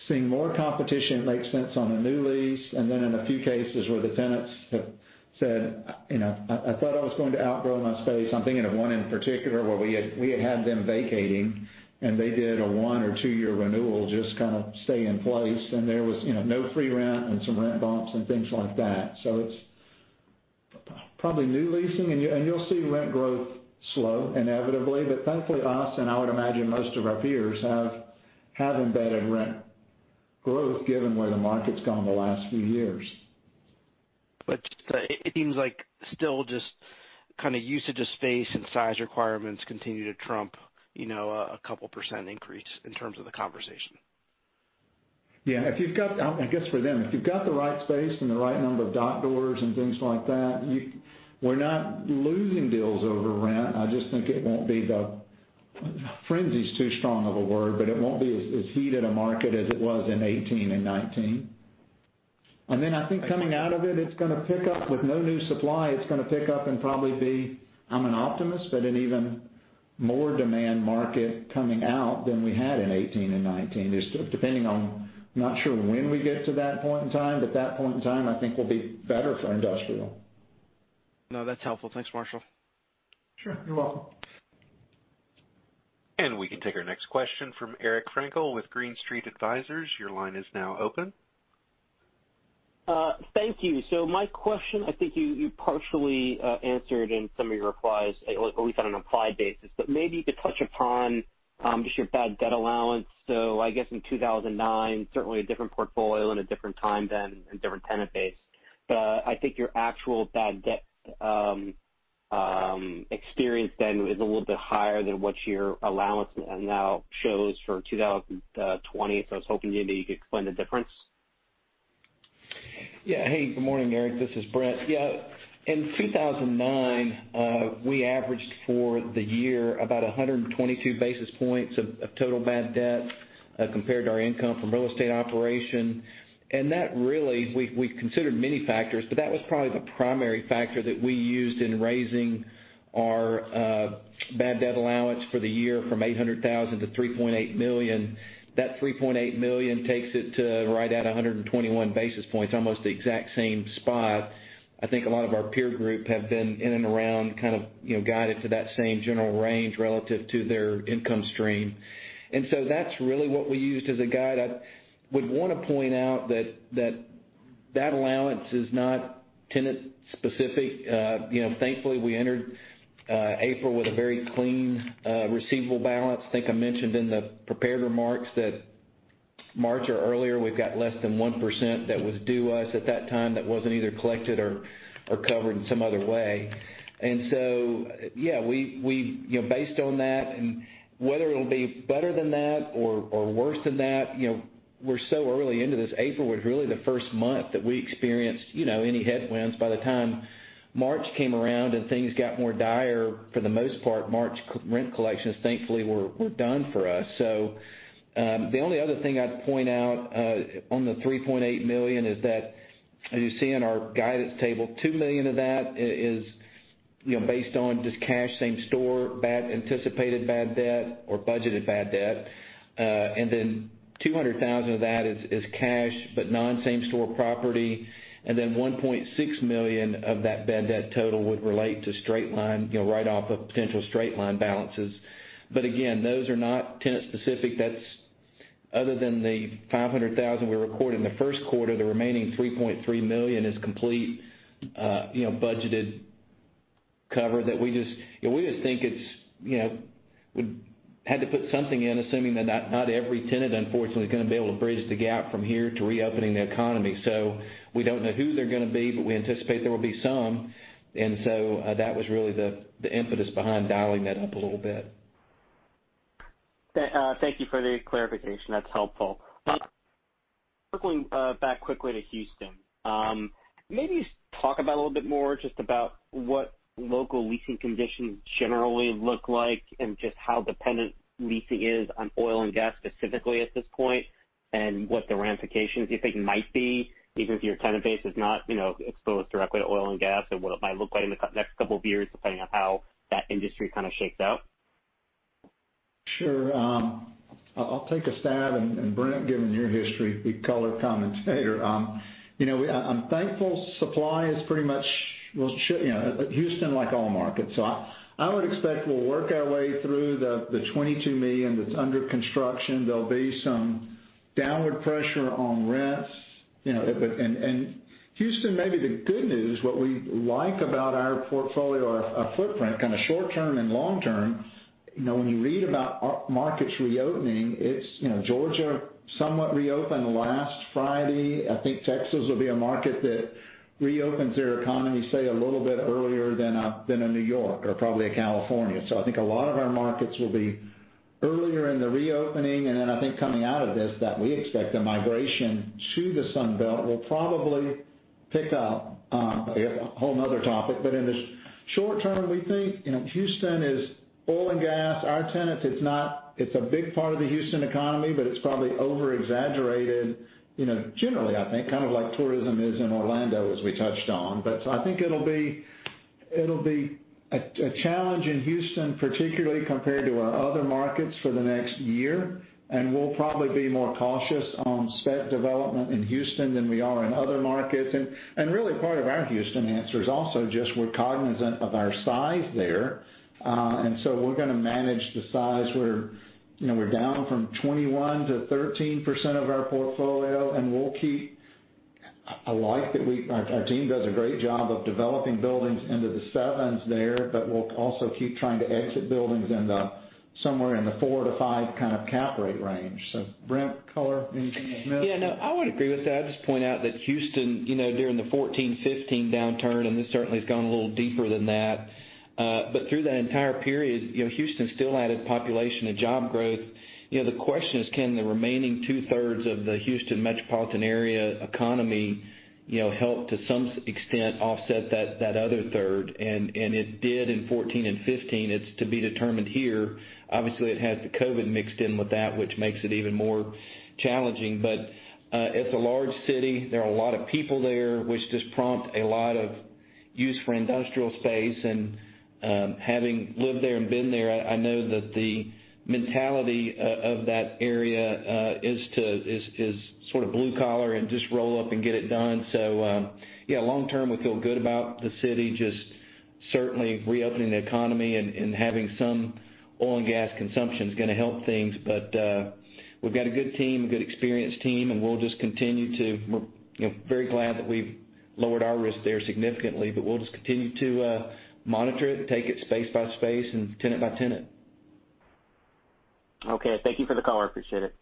S2: seeing more competition makes sense on a new lease, and then in a few cases where the tenants have said, I thought I was going to outgrow my space. I'm thinking of one in particular where we had them vacating and they did a one or two-year renewal, just kind of stay in place. There was no free rent and some rent bumps and things like that. It's probably new leasing. You'll see rent growth slow inevitably, but thankfully us, and I would imagine most of our peers, have embedded rent growth given where the market's gone the last few years.
S10: It seems like still just kind of usage of space and size requirements continue to trump a couple percent increase in terms of the conversation.
S2: Yeah. I guess for them. If you've got the right space and the right number of dock doors and things like that, we're not losing deals over rent. I just think it won't be the frenzy's too strong of a word, but it won't be as heated a market as it was in 2018 and 2019. I think coming out of it's going to pick up. With no new supply, it's going to pick up and probably be, I'm an optimist, but an even more demand market coming out than we had in 2018 and 2019. Just depending on, not sure when we get to that point in time, but that point in time, I think will be better for industrial.
S10: No, that's helpful. Thanks, Marshall.
S2: Sure. You're welcome.
S1: We can take our next question from Eric Frankel with Green Street Advisors. Your line is now open.
S11: Thank you. My question, I think you partially answered in some of your replies, at least on an implied basis, but maybe to touch upon just your bad debt allowance. I guess in 2009, certainly a different portfolio and a different time then and different tenant base. I think your actual bad debt experience then is a little bit higher than what your allowance now shows for 2020. I was hoping maybe you could explain the difference.
S4: Yeah. Hey, good morning, Eric. This is Brent. In 2009, we averaged for the year about 122 basis points of total bad debt compared to our income from real estate operation. That really, we considered many factors, but that was probably the primary factor that we used in raising our bad debt allowance for the year from $800,000-$3.8 million. That $3.8 million takes it to right at 121 basis points, almost the exact same spot. I think a lot of our peer group have been in and around kind of guided to that same general range relative to their income stream. That's really what we used as a guide. I would want to point out that that allowance is not tenant specific. Thankfully, we entered April with a very clean receivable balance. Think I mentioned in the prepared remarks that March or earlier, we've got less than 1% that was due us at that time that wasn't either collected or covered in some other way. Yeah, based on that, and whether it will be better than that or worse than that, we are so early into this. April was really the first month that we experienced any headwinds. By the time March came around and things got more dire, for the most part, March rent collections thankfully were done for us. The only other thing I'd point out, on the $3.8 million, is that as you see in our guidance table, $2 million of that is based on just cash, same store anticipated bad debt or budgeted bad debt. $200,000 of that is cash, but non-same store property. $1.6 million of that bad debt total would relate to straight line, write off of potential straight line balances. Again, those are not tenant specific. Other than the $500,000 we recorded in the first quarter, the remaining $3.3 million is complete budgeted cover that we just think we had to put something in assuming that not every tenant, unfortunately, is going to be able to bridge the gap from here to reopening the economy. We don't know who they're going to be, but we anticipate there will be some. That was really the impetus behind dialing that up a little bit.
S11: Thank you for the clarification. That's helpful. Circling back quickly to Houston. Maybe just talk about a little bit more just about what local leasing conditions generally look like and just how dependent leasing is on oil and gas specifically at this point, and what the ramifications you think might be, even if your tenant base is not exposed directly to oil and gas, and what it might look like in the next couple of years, depending on how that industry kind of shakes out?
S2: Sure. I'll take a stab, Brent, given your history, you can color commentator. I'm thankful supply is pretty much Houston, like all markets. I would expect we'll work our way through the 22 million that's under construction. There'll be some downward pressure on rents. Houston, maybe the good news, what we like about our portfolio or our footprint, kind of short term and long term, when you read about markets reopening, it's Georgia somewhat reopened last Friday. I think Texas will be a market that reopens their economy. Let me say a little bit earlier than a New York or probably a California. I think a lot of our markets will be earlier in the reopening, then I think coming out of this, that we expect the migration to the Sun Belt will probably pick up. A whole other topic, in the short term, we think Houston is oil and gas. Our tenants, it's a big part of the Houston economy, but it's probably over-exaggerated, generally, I think. Kind of like tourism is in Orlando, as we touched on. I think it'll be a challenge in Houston, particularly compared to our other markets, for the next year, and we'll probably be more cautious on spec development in Houston than we are in other markets. Really, part of our Houston answer is also just we're cognizant of our size there. We're going to manage the size. We're down from 21%-13% of our portfolio, and we'll keep I like that our team does a great job of developing buildings into the sevens there. We'll also keep trying to exit buildings somewhere in the 4-5 kind of cap rate range. Brent, color in Smith?
S4: Yeah, no, I would agree with that. I'd just point out that Houston, during the 2014, 2015 downturn, this certainly has gone a little deeper than that. Through that entire period, Houston still added population and job growth. The question is, can the remaining two-thirds of the Houston metropolitan area economy, help to some extent offset that other third? It did in 2014 and 2015. It's to be determined here. Obviously, it has the COVID-19 mixed in with that, which makes it even more challenging. It's a large city. There are a lot of people there, which does prompt a lot of use for industrial space. Having lived there and been there, I know that the mentality of that area is sort of blue collar and just roll up and get it done. Yeah, long term, we feel good about the city. Certainly reopening the economy and having some oil and gas consumption is going to help things. We've got a good team, a good experienced team, and we're very glad that we've lowered our risk there significantly, but we'll just continue to monitor it and take it space by space and tenant by tenant.
S11: Okay. Thank you for the color. Appreciate it.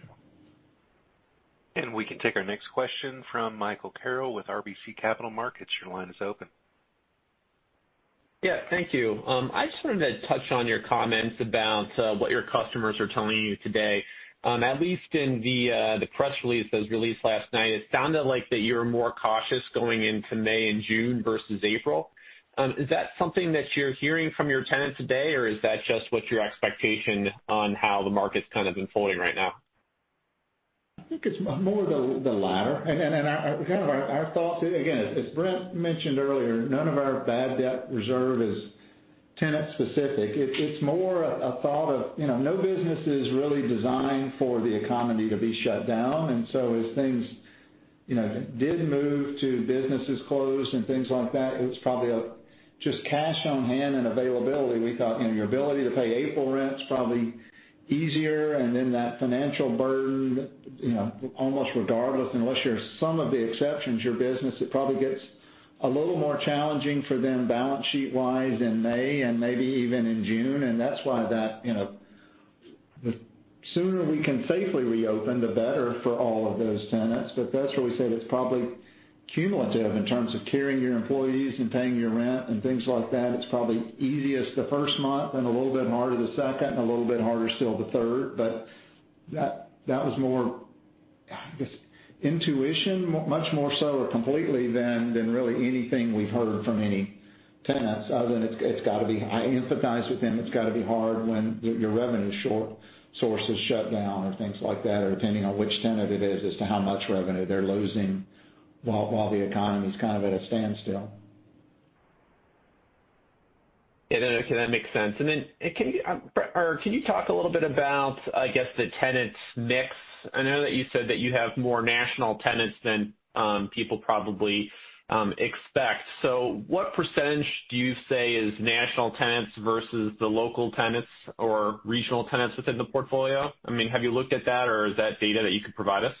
S2: Sure.
S1: We can take our next question from Michael Carroll with RBC Capital Markets. Your line is open.
S12: Yeah. Thank you. I just wanted to touch on your comments about what your customers are telling you today. At least in the press release that was released last night, it sounded like that you're more cautious going into May and June versus April. Is that something that you're hearing from your tenants today, or is that just what your expectation on how the market's kind of unfolding right now?
S2: I think it's more the latter. Kind of our thought, again, as Brent mentioned earlier, none of our bad debt reserve is tenant specific. It's more a thought of no business is really designed for the economy to be shut down. As things did move to businesses closed and things like that, it was probably just cash on hand and availability. We thought, your ability to pay April rent's probably easier, then that financial burden, almost regardless, unless you're some of the exceptions, your business, it probably gets a little more challenging for them balance sheet wise in May and maybe even in June. That's why that the sooner we can safely reopen, the better for all of those tenants. That's where we said it's probably cumulative in terms of carrying your employees and paying your rent and things like that. It's probably easiest the first month, then a little bit harder the second, and a little bit harder still the third. That was more, I guess, intuition, much more so, or completely, than really anything we've heard from any tenants. Other than I empathize with them. It's got to be hard when your revenue source is shut down or things like that, or depending on which tenant it is as to how much revenue they're losing while the economy's kind of at a standstill.
S12: Yeah. No, that makes sense. Brent, can you talk a little bit about, I guess, the tenants' mix? I know that you said that you have more national tenants than people probably expect. What percent do you say is national tenants versus the local tenants or regional tenants within the portfolio? Have you looked at that, or is that data that you could provide us?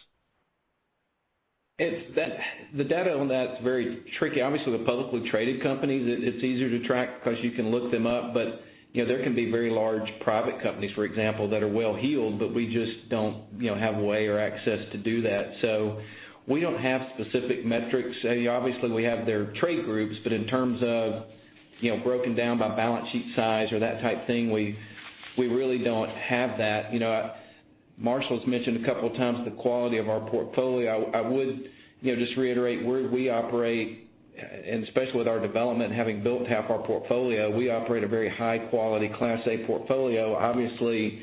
S4: The data on that's very tricky. Obviously, the publicly traded companies, it's easier to track because you can look them up. There can be very large private companies, for example, that are well-heeled, but we just don't have a way or access to do that. We don't have specific metrics. Obviously, we have their trade groups, but in terms of broken down by balance sheet size or that type thing, we really don't have that. Marshall's mentioned a couple of times the quality of our portfolio. I would just reiterate, where we operate, and especially with our development, having built half our portfolio, we operate a very high quality Class A portfolio. Obviously,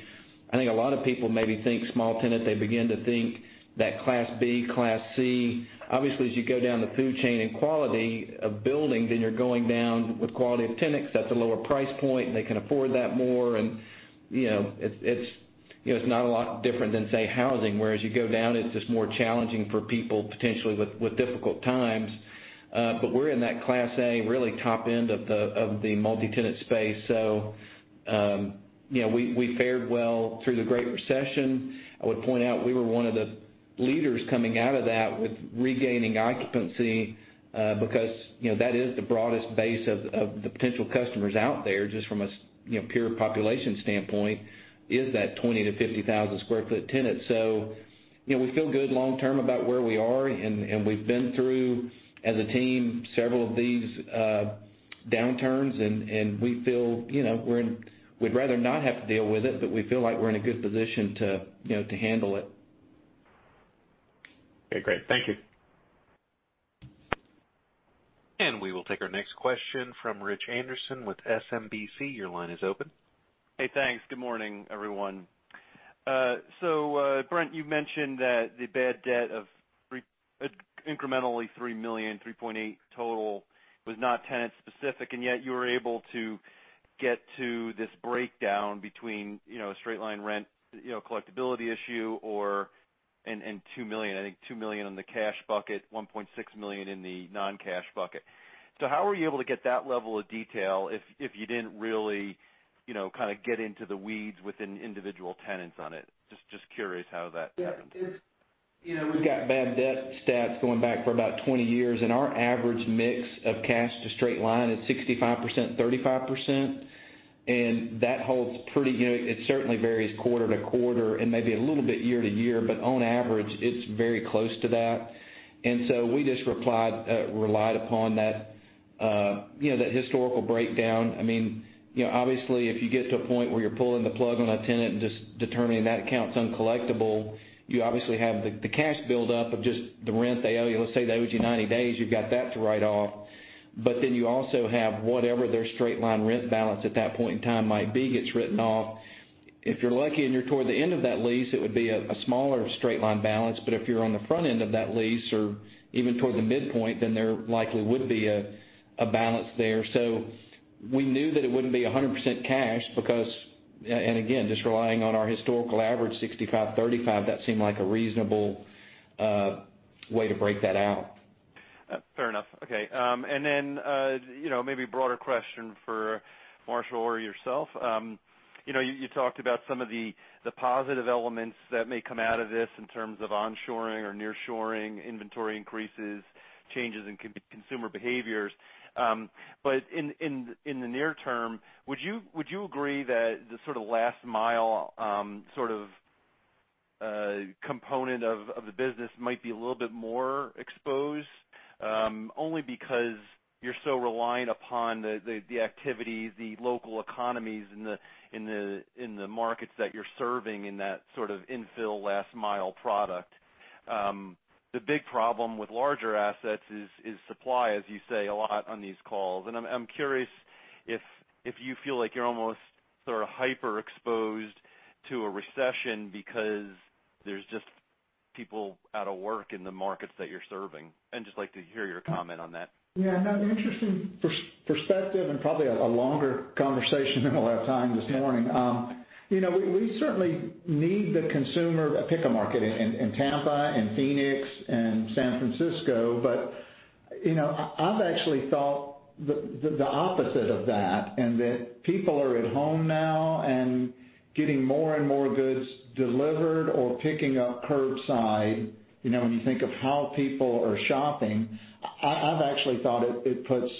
S4: I think a lot of people maybe think small tenant, they begin to think that Class B, Class C. As you go down the food chain in quality of buildings, then you are going down with quality of tenants. That is a lower price point, and they can afford that more. It is not a lot different than, say, housing, where as you go down, it is just more challenging for people potentially with difficult times. We are in that Class A, really top end of the multi-tenant space. We fared well through the Great Recession. I would point out we were one of the leaders coming out of that with regaining occupancy, because that is the broadest base of the potential customers out there, just from a pure population standpoint, is that 20,000 sq ft-50,000 sq ft tenant. We feel good long-term about where we are, and we've been through, as a team, several of these downturns, and we'd rather not have to deal with it, but we feel like we're in a good position to handle it.
S13: Okay, great. Thank you.
S1: We will take our next question from Rich Anderson with SMBC. Your line is open.
S13: Hey, thanks. Good morning, everyone. Brent, you mentioned that the bad debt of incrementally $3 million, $3.8 total, was not tenant specific, and yet you were able to get to this breakdown between a straight line rent collectibility issue and $2 million, I think $2 million on the cash bucket, $1.6 million in the non-cash bucket. How were you able to get that level of detail if you didn't really get into the weeds within individual tenants on it? Just curious how that happened.
S4: We've got bad debt stats going back for about 20 years. Our average mix of cash to straight line is 65%/35%, that holds pretty, it certainly varies quarter-to-quarter and maybe a little bit year-to-year, but on average, it's very close to that. We just relied upon that historical breakdown. Obviously, if you get to a point where you're pulling the plug on a tenant and just determining that account's uncollectible, you obviously have the cash build up of just the rent they owe you. Let's say they owe you 90 days, you've got that to write off. You also have whatever their straight line rent balance at that point in time might be, gets written off. If you're lucky and you're toward the end of that lease, it would be a smaller straight line balance, but if you're on the front end of that lease or even toward the midpoint, then there likely would be a balance there. We knew that it wouldn't be 100% cash because, and again, just relying on our historical average, 65/35, that seemed like a reasonable way to break that out.
S13: Fair enough. Okay. Maybe a broader question for Marshall or yourself. You talked about some of the positive elements that may come out of this in terms of onshoring or nearshoring, inventory increases, changes in consumer behaviors. In the near term, would you agree that the sort of last mile component of the business might be a little bit more exposed? Only because you're so reliant upon the activities, the local economies in the markets that you're serving in that sort of infill last mile product. The big problem with larger assets is supply, as you say a lot on these calls. I'm curious if you feel like you're almost sort of hyper-exposed to a recession because there's just people out of work in the markets that you're serving, and just like to hear your comment on that.
S2: Yeah, no, interesting perspective and probably a longer conversation than we'll have time this morning. We certainly need the consumer, pick a market, in Tampa and Phoenix and San Francisco. I've actually thought the opposite of that, in that people are at home now and getting more and more goods delivered or picking up curbside. When you think of how people are shopping, I've actually thought it puts,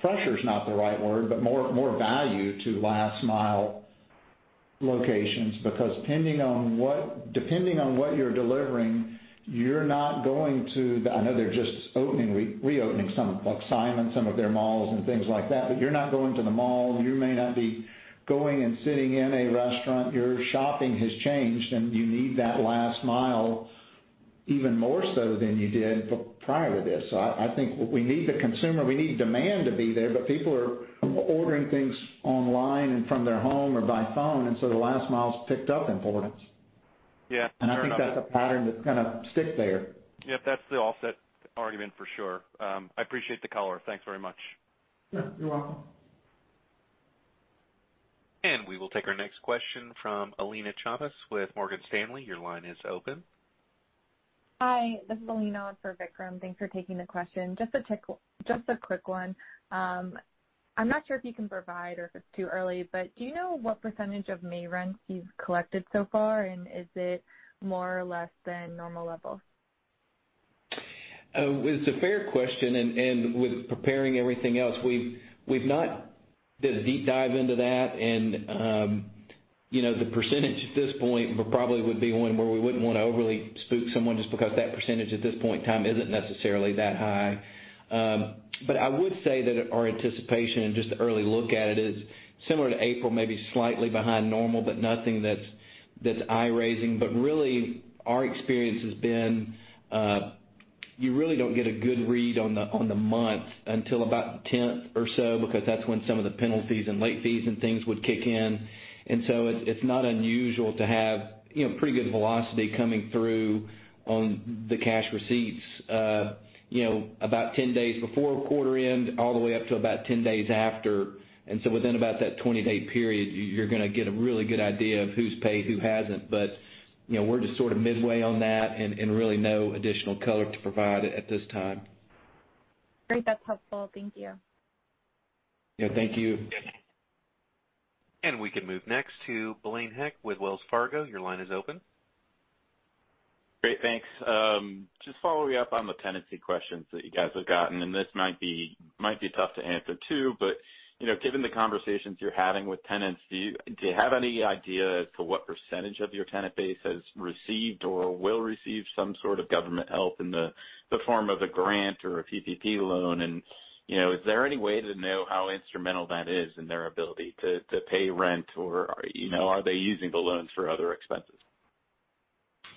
S2: pressure's not the right word, but more value to last mile locations. Depending on what you're delivering, you're not going to I know they're just reopening some of, like Simon, some of their malls and things like that, but you're not going to the mall. You may not be going and sitting in a restaurant. Your shopping has changed, you need that last mile even more so than you did prior to this. I think we need the consumer. We need demand to be there, but people are ordering things online and from their home or by phone, and so the last mile's picked up importance.
S13: Yeah. Fair enough.
S2: I think that's a pattern that's going to stick there.
S13: Yeah. That's the offset argument for sure. I appreciate the color. Thanks very much.
S2: Yeah. You're welcome.
S1: We will take our next question from Alina Chavas with Morgan Stanley. Your line is open.
S14: Hi. This is Alina for Vikram. Thanks for taking the question. Just a quick one. I'm not sure if you can provide or if it's too early, but do you know what percentage of May rents you've collected so far, and is it more or less than normal levels?
S4: It's a fair question, and with preparing everything else, we've not done a deep dive into that. The percentage at this point probably would be one where we wouldn't want to overly spook someone just because that percentage at this point in time isn't necessarily that high. I would say that our anticipation and just the early look at it is similar to April, maybe slightly behind normal, but nothing that's eye-raising. Really, our experience has been, you really don't get a good read on the month until about the 10th or so, because that's when some of the penalties and late fees and things would kick in. It's not unusual to have pretty good velocity coming through on the cash receipts about 10 days before quarter end, all the way up to about 10 days after. Within about that 20-day period, you're going to get a really good idea of who's paid, who hasn't. We're just sort of midway on that and really no additional color to provide at this time.
S14: Great. That's helpful. Thank you.
S2: Yeah. Thank you.
S1: We can move next to Blaine Heck with Wells Fargo. Your line is open.
S15: Great. Thanks. Just following up on the tenancy questions that you guys have gotten, and this might be tough to answer, too, but given the conversations you're having with tenants, do you have any idea as to what percent of your tenant base has received or will receive some sort of government help in the form of a grant or a PPP loan? Is there any way to know how instrumental that is in their ability to pay rent? Are they using the loans for other expenses?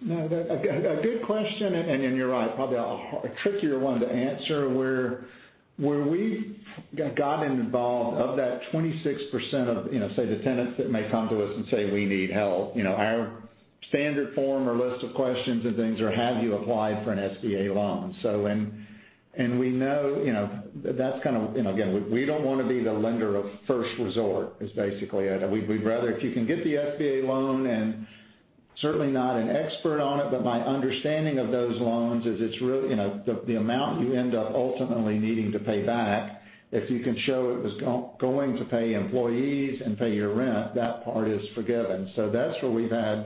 S2: A good question, you're right, probably a trickier one to answer. Where we got involved, of that 26% of, say, the tenants that may come to us and say, we need help, our standard form or list of questions and things are, have you applied for an SBA loan? We know that's kind of, we don't want to be the lender of first resort is basically it. We'd rather if you can get the SBA loan, certainly not an expert on it, my understanding of those loans is the amount you end up ultimately needing to pay back, if you can show it was going to pay employees and pay your rent, that part is forgiven. That's where we've had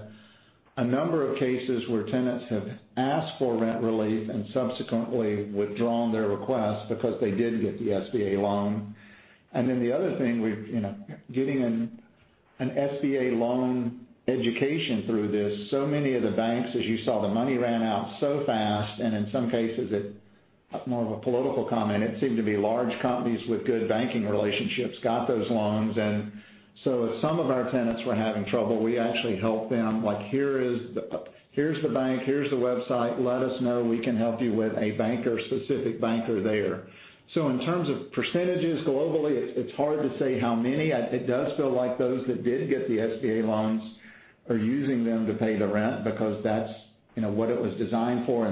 S2: a number of cases where tenants have asked for rent relief and subsequently withdrawn their request because they did get the SBA loan. The other thing, getting an SBA loan education through this, many of the banks, as you saw, the money ran out so fast, and in some cases, more of a political comment, it seemed to be large companies with good banking relationships got those loans. As some of our tenants were having trouble, we actually helped them, like, here's the bank, here's the website. Let us know. We can help you with a banker, specific banker there. In terms of percentages globally, it's hard to say how many. It does feel like those that did get the SBA loans are using them to pay the rent because that's what it was designed for.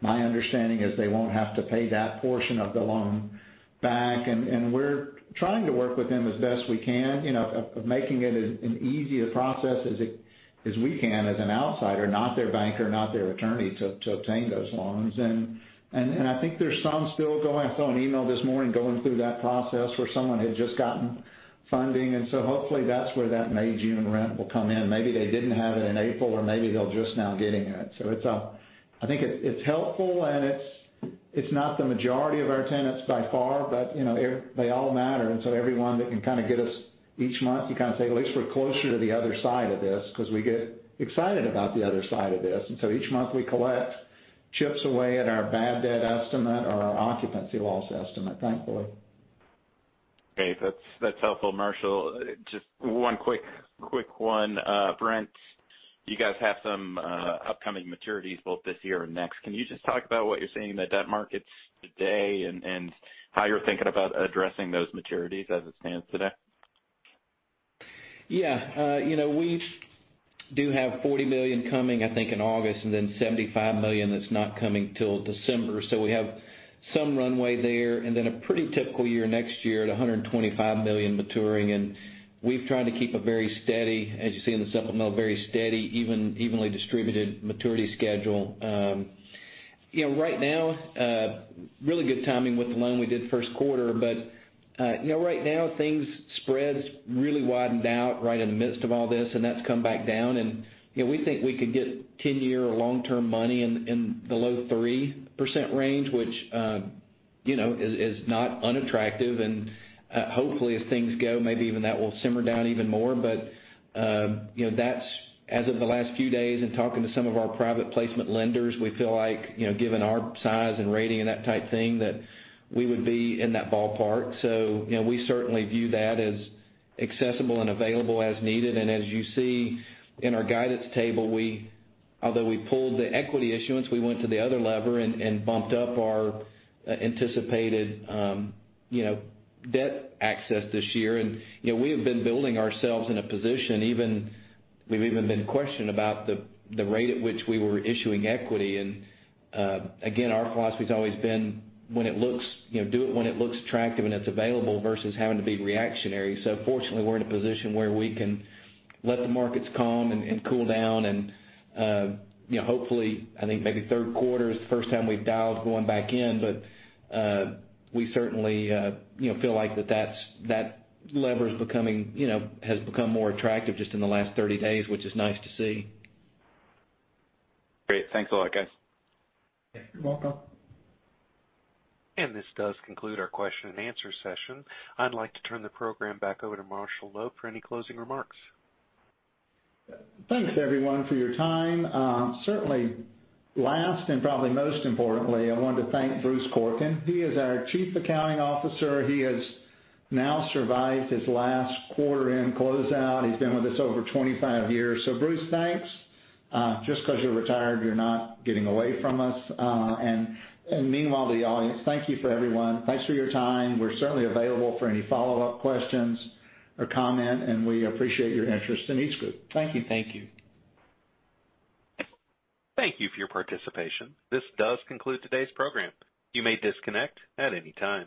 S2: My understanding is they won't have to pay that portion of the loan back. We're trying to work with them as best we can, of making it as an easy a process as we can as an outsider, not their banker, not their attorney, to obtain those loans. I think there's some still going. I saw an email this morning going through that process where someone had just gotten funding. Hopefully that's where that May, June rent will come in. Maybe they didn't have it in April, or maybe they're just now getting it. I think it's helpful, and it's not the majority of our tenants by far, but they all matter. Every one that can kind of get us each month, you kind of say, at least we're closer to the other side of this because we get excited about the other side of this. Each month we collect chips away at our bad debt estimate or our occupancy loss estimate, thankfully.
S15: Okay. That's helpful, Marshall. Just one quick one. Brent, you guys have some upcoming maturities both this year and next. Can you just talk about what you're seeing in the debt markets today and how you're thinking about addressing those maturities as it stands today?
S4: Yeah. We do have $40 million coming, I think, in August, and then $75 million that's not coming till December. We have some runway there, and then a pretty typical year next year at $125 million maturing. We've tried to keep a very steady, as you see in the supplemental, very steady, evenly distributed maturity schedule. Right now, really good timing with the loan we did first quarter. Right now, things spreads really widened out right in the midst of all this, and that's come back down, and we think we could get 10-year or long-term money in the low 3% range, which is not unattractive. Hopefully as things go, maybe even that will simmer down even more. That's as of the last few days in talking to some of our private placement lenders, we feel like given our size and rating and that type thing, that we would be in that ballpark. We certainly view that as accessible and available as needed. As you see in our guidance table, although we pulled the equity issuance, we went to the other lever and bumped up our anticipated debt access this year. We have been building ourselves in a position. We've even been questioned about the rate at which we were issuing equity. Again, our philosophy has always been do it when it looks attractive and it's available versus having to be reactionary. Fortunately, we're in a position where we can let the markets calm and cool down and hopefully, I think maybe third quarter is the first time we've dialed going back in. We certainly feel like that lever has become more attractive just in the last 30 days, which is nice to see.
S15: Great. Thanks a lot, guys.
S2: You're welcome.
S1: This does conclude our question-and-answer session. I'd like to turn the program back over to Marshall Loeb for any closing remarks.
S2: Thanks, everyone, for your time. Certainly last and probably most importantly, I wanted to thank Bruce Corkern. He is our Chief Accounting Officer. He has now survived his last quarter end closeout. He's been with us over 25 years. Bruce, thanks. Just because you're retired, you're not getting away from us. Meanwhile, to the audience, thank you for everyone. Thanks for your time. We're certainly available for any follow-up questions or comment, and we appreciate your interest in EastGroup. Thank you.
S4: Thank you.
S1: Thank you for your participation. This does conclude today's program. You may disconnect at any time.